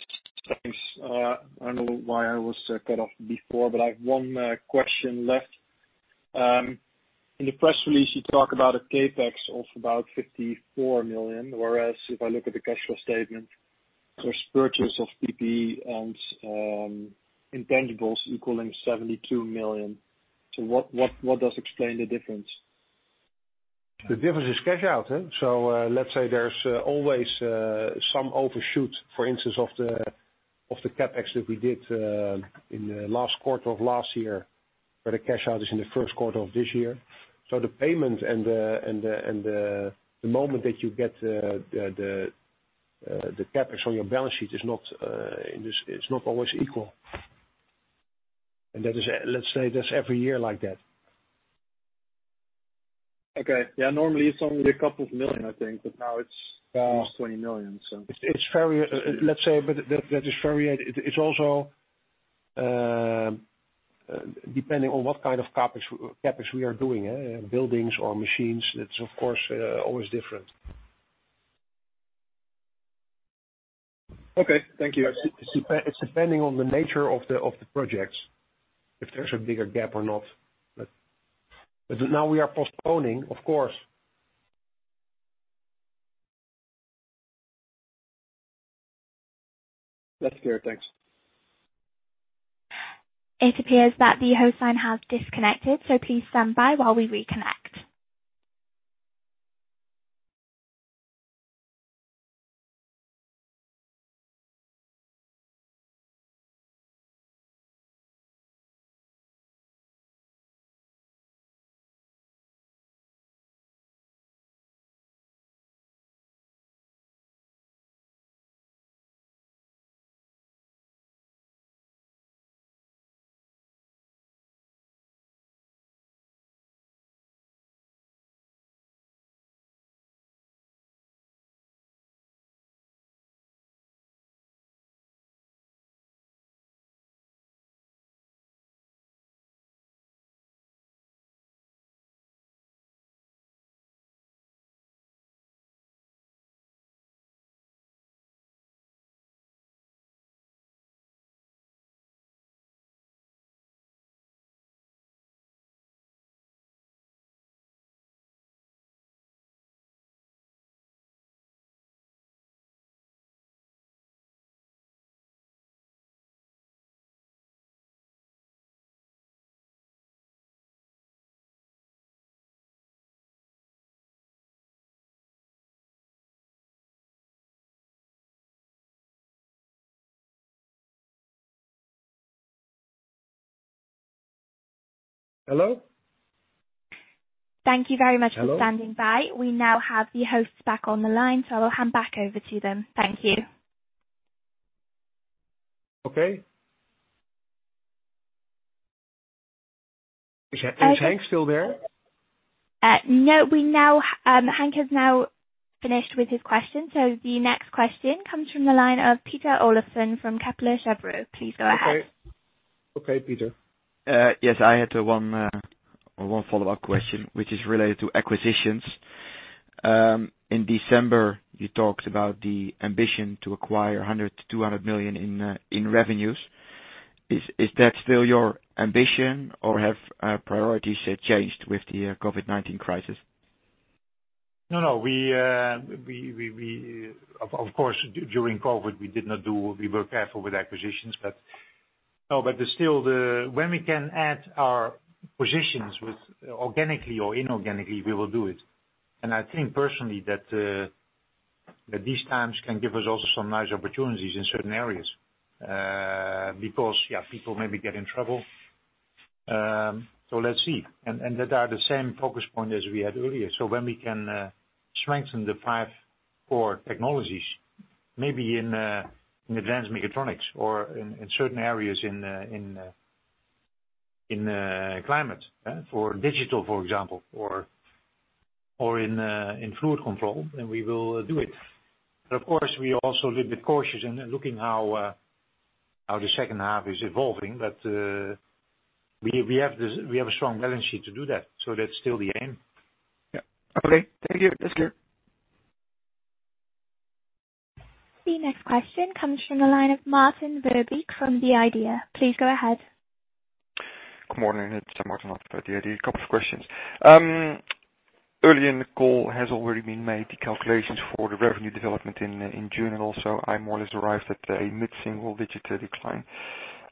thanks. I don't know why I was cut off before. I have one question left. In the press release, you talk about a CapEx of about 54 million, whereas if I look at the cash flow statement, there's purchase of PP&E and intangibles equaling 72 million. What does explain the difference? The difference is cash out. Let's say there's always some overshoot, for instance, of the CapEx that we did in the last quarter of last year, where the cash out is in the first quarter of this year. The payment and the moment that you get the CapEx on your balance sheet is not always equal. Let's say that's every year like that. Okay. Yeah, normally it's only a couple of million, I think, but now it's almost 20 million. Let's say, that is variate. It's also depending on what kind of CapEx we are doing, buildings or machines. That's of course, always different. Okay. Thank you. It's depending on the nature of the projects, if there's a bigger gap or not. Now we are postponing, of course. That's clear. Thanks. It appears that the host line has disconnected, so please stand by while we reconnect. Hello? Thank you very much for standing by. We now have the hosts back on the line, I will hand back over to them. Thank you. Okay. Is Henk still there? No. Henk is now finished with his question. The next question comes from the line of Peter Olofsen from Kepler Cheuvreux. Please go ahead. Okay. Peter. Yes, I had one follow-up question, which is related to acquisitions. In December, you talked about the ambition to acquire 100 million-200 million in revenues. Is that still your ambition or have priorities changed with the COVID-19 crisis? No. Of course, during COVID-19, we were careful with acquisitions. Still, when we can add our positions organically or inorganically, we will do it. I think personally that these times can give us also some nice opportunities in certain areas, because people maybe get in trouble. Let's see. That are the same focus point as we had earlier. When we can strengthen the five core technologies, maybe in advanced mechatronics or in certain areas in Climate, for digital, for example, or in fluid control, then we will do it. Of course, we are also a little bit cautious in looking how the second half is evolving. We have a strong balance sheet to do that's still the aim. Yeah. Okay. Thank you. The next question comes from the line of Maarten Verbeek from The IDEA!. Please go ahead. Good morning. It's Maarten from The IDEA!. A couple of questions. Earlier in the call has already been made, the calculations for the revenue development in June. Also, I more or less arrived at a mid-single-digit decline.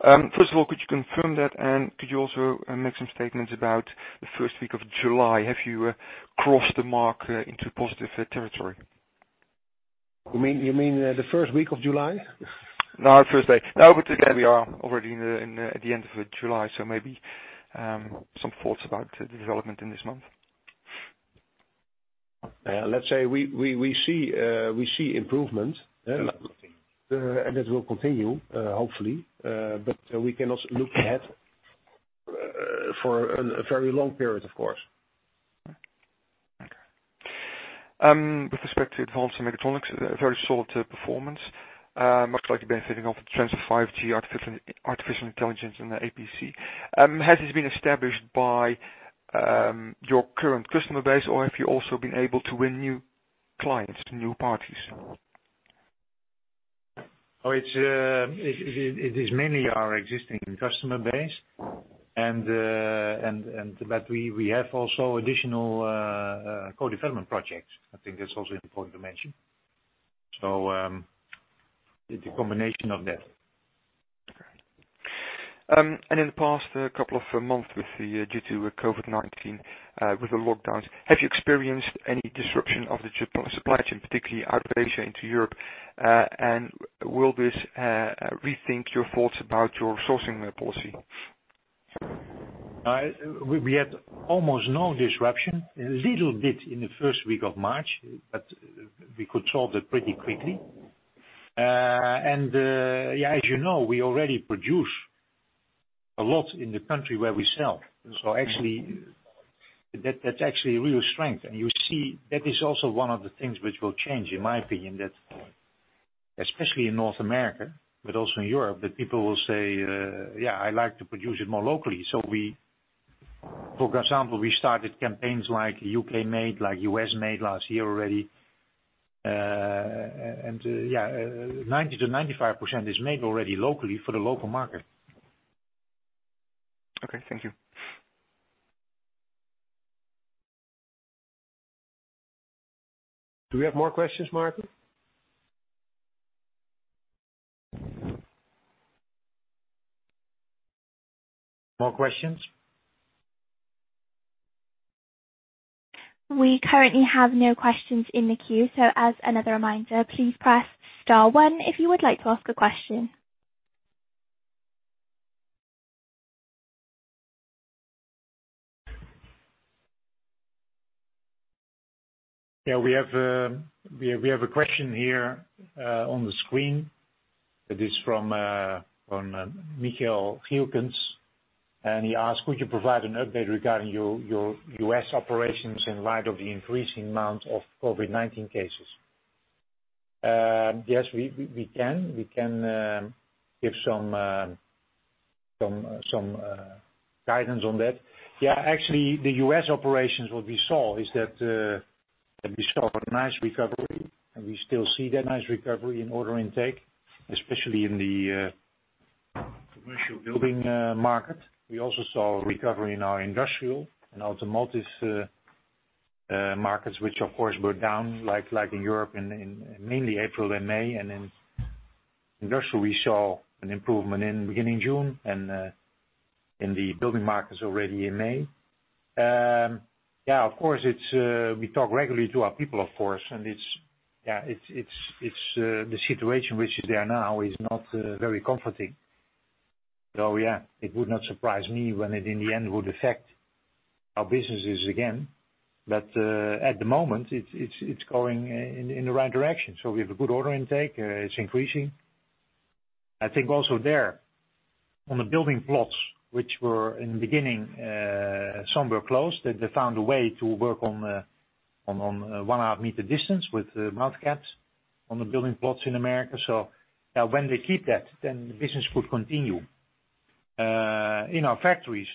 First of all, could you confirm that, and could you also make some statements about the first week of July? Have you crossed the mark into positive territory? You mean, the first week of July? No, first day. No. Today we are already at the end of July, so maybe some thoughts about the development in this month. Let's say, we see improvement. Okay. That will continue, hopefully. We cannot look ahead for a very long period, of course. Okay. With respect to advanced mechatronics, very solid performance, much like benefiting of the trends of 5G, artificial intelligence, and APC. Has this been established by your current customer base, or have you also been able to win new clients, new parties? It is mainly our existing customer base. We have also additional co-development projects. I think that's also important to mention. It's a combination of that. Okay. In the past couple of months due to COVID-19, with the lockdowns, have you experienced any disruption of the supply chain, particularly out of Asia into Europe? Will this rethink your thoughts about your sourcing policy? We had almost no disruption. A little bit in the first week of March, we could solve that pretty quickly. As you know, we already produce a lot in the country where we sell. That's actually a real strength. You see, that is also one of the things which will change, in my opinion, that especially in North America, but also in Europe, that people will say, "Yeah, I like to produce it more locally." For example, we started campaigns like U.K. Made, like U.S. Made last year already. 90%-95% is made already locally for the local market. Okay, thank you. Do we have more questions, Mark? More questions? We currently have no questions in the queue. As another reminder, please press star one if you would like to ask a question. Yeah, we have a question here on the screen. It is from Michael Hilkens, and he asked, "Could you provide an update regarding your U.S. operations in light of the increasing amount of COVID-19 cases?" Yes, we can. We can give some guidance on that. Actually, the U.S. operations, what we saw is that we saw a nice recovery, and we still see that nice recovery in order intake, especially in the commercial building market. We also saw a recovery in our industrial and automotive markets, which of course, were down like in Europe in mainly April and May. In industrial, we saw an improvement in beginning June, and in the building markets already in May. Of course, we talk regularly to our people, of course. The situation which is there now is not very comforting. Yeah, it would not surprise me when it, in the end, would affect our businesses again. At the moment, it's going in the right direction. We have a good order intake. It's increasing. I think also there, on the building plots, which were in the beginning, some were closed. They found a way to work on 1.5 m distance with mouth guards on the building plots in the U.S. When they keep that, the business could continue. In our factories,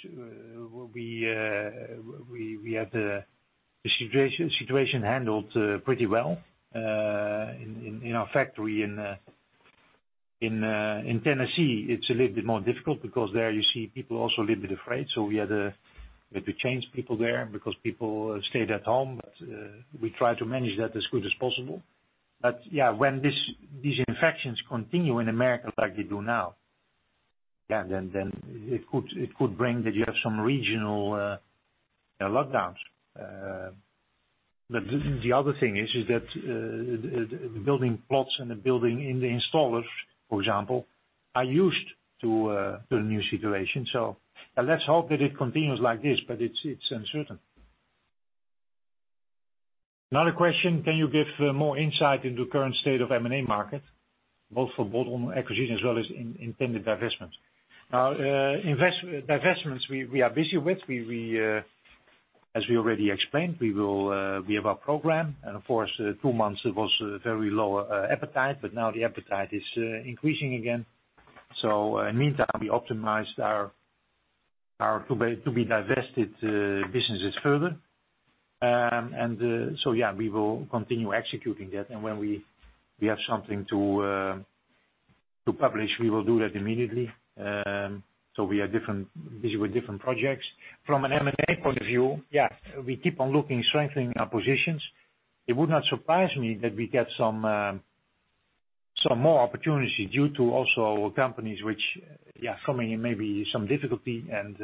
we had the situation handled pretty well. In our factory in Tennessee, it's a little bit more difficult because there you see people are also a little bit afraid. We had to change people there because people stayed at home. We try to manage that as good as possible. When these infections continue in America like they do now, then it could bring that you have some regional lockdowns. The other thing is that the building plots and the building in the installers, for example, are used to the new situation. Let's hope that it continues like this, but it's uncertain. Another question, can you give more insight into current state of M&A market, both for bolt-on acquisitions as well as intended divestments? Divestments, we are busy with. As we already explained, we have our program, and of course, two months, it was very low appetite, but now the appetite is increasing again. In the meantime, we optimized our to-be-divested businesses further. We will continue executing that, and when we have something to publish, we will do that immediately. We are busy with different projects. From an M&A point of view, we keep on looking, strengthening our positions. It would not surprise me that we get some more opportunities due to also companies which are coming in maybe some difficulty, and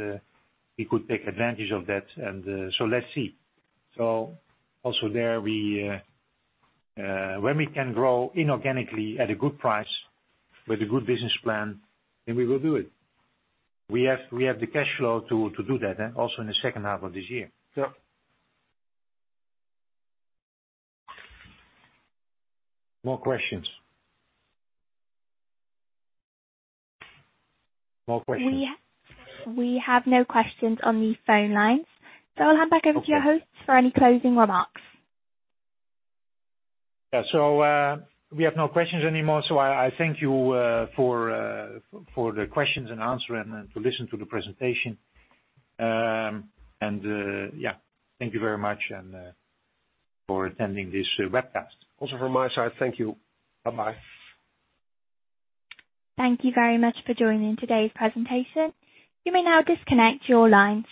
we could take advantage of that. Let's see. Also there, when we can grow inorganically at a good price with a good business plan, then we will do it. We have the cash flow to do that, and also in the second half of this year. More questions. More questions. We have no questions on the phone lines. I'll hand back over to your host for any closing remarks. We have no questions anymore. I thank you for the questions and answer and to listen to the presentation. Thank you very much for attending this webcast. Also from my side, thank you. Bye-bye. Thank you very much for joining today's presentation. You may now disconnect your lines.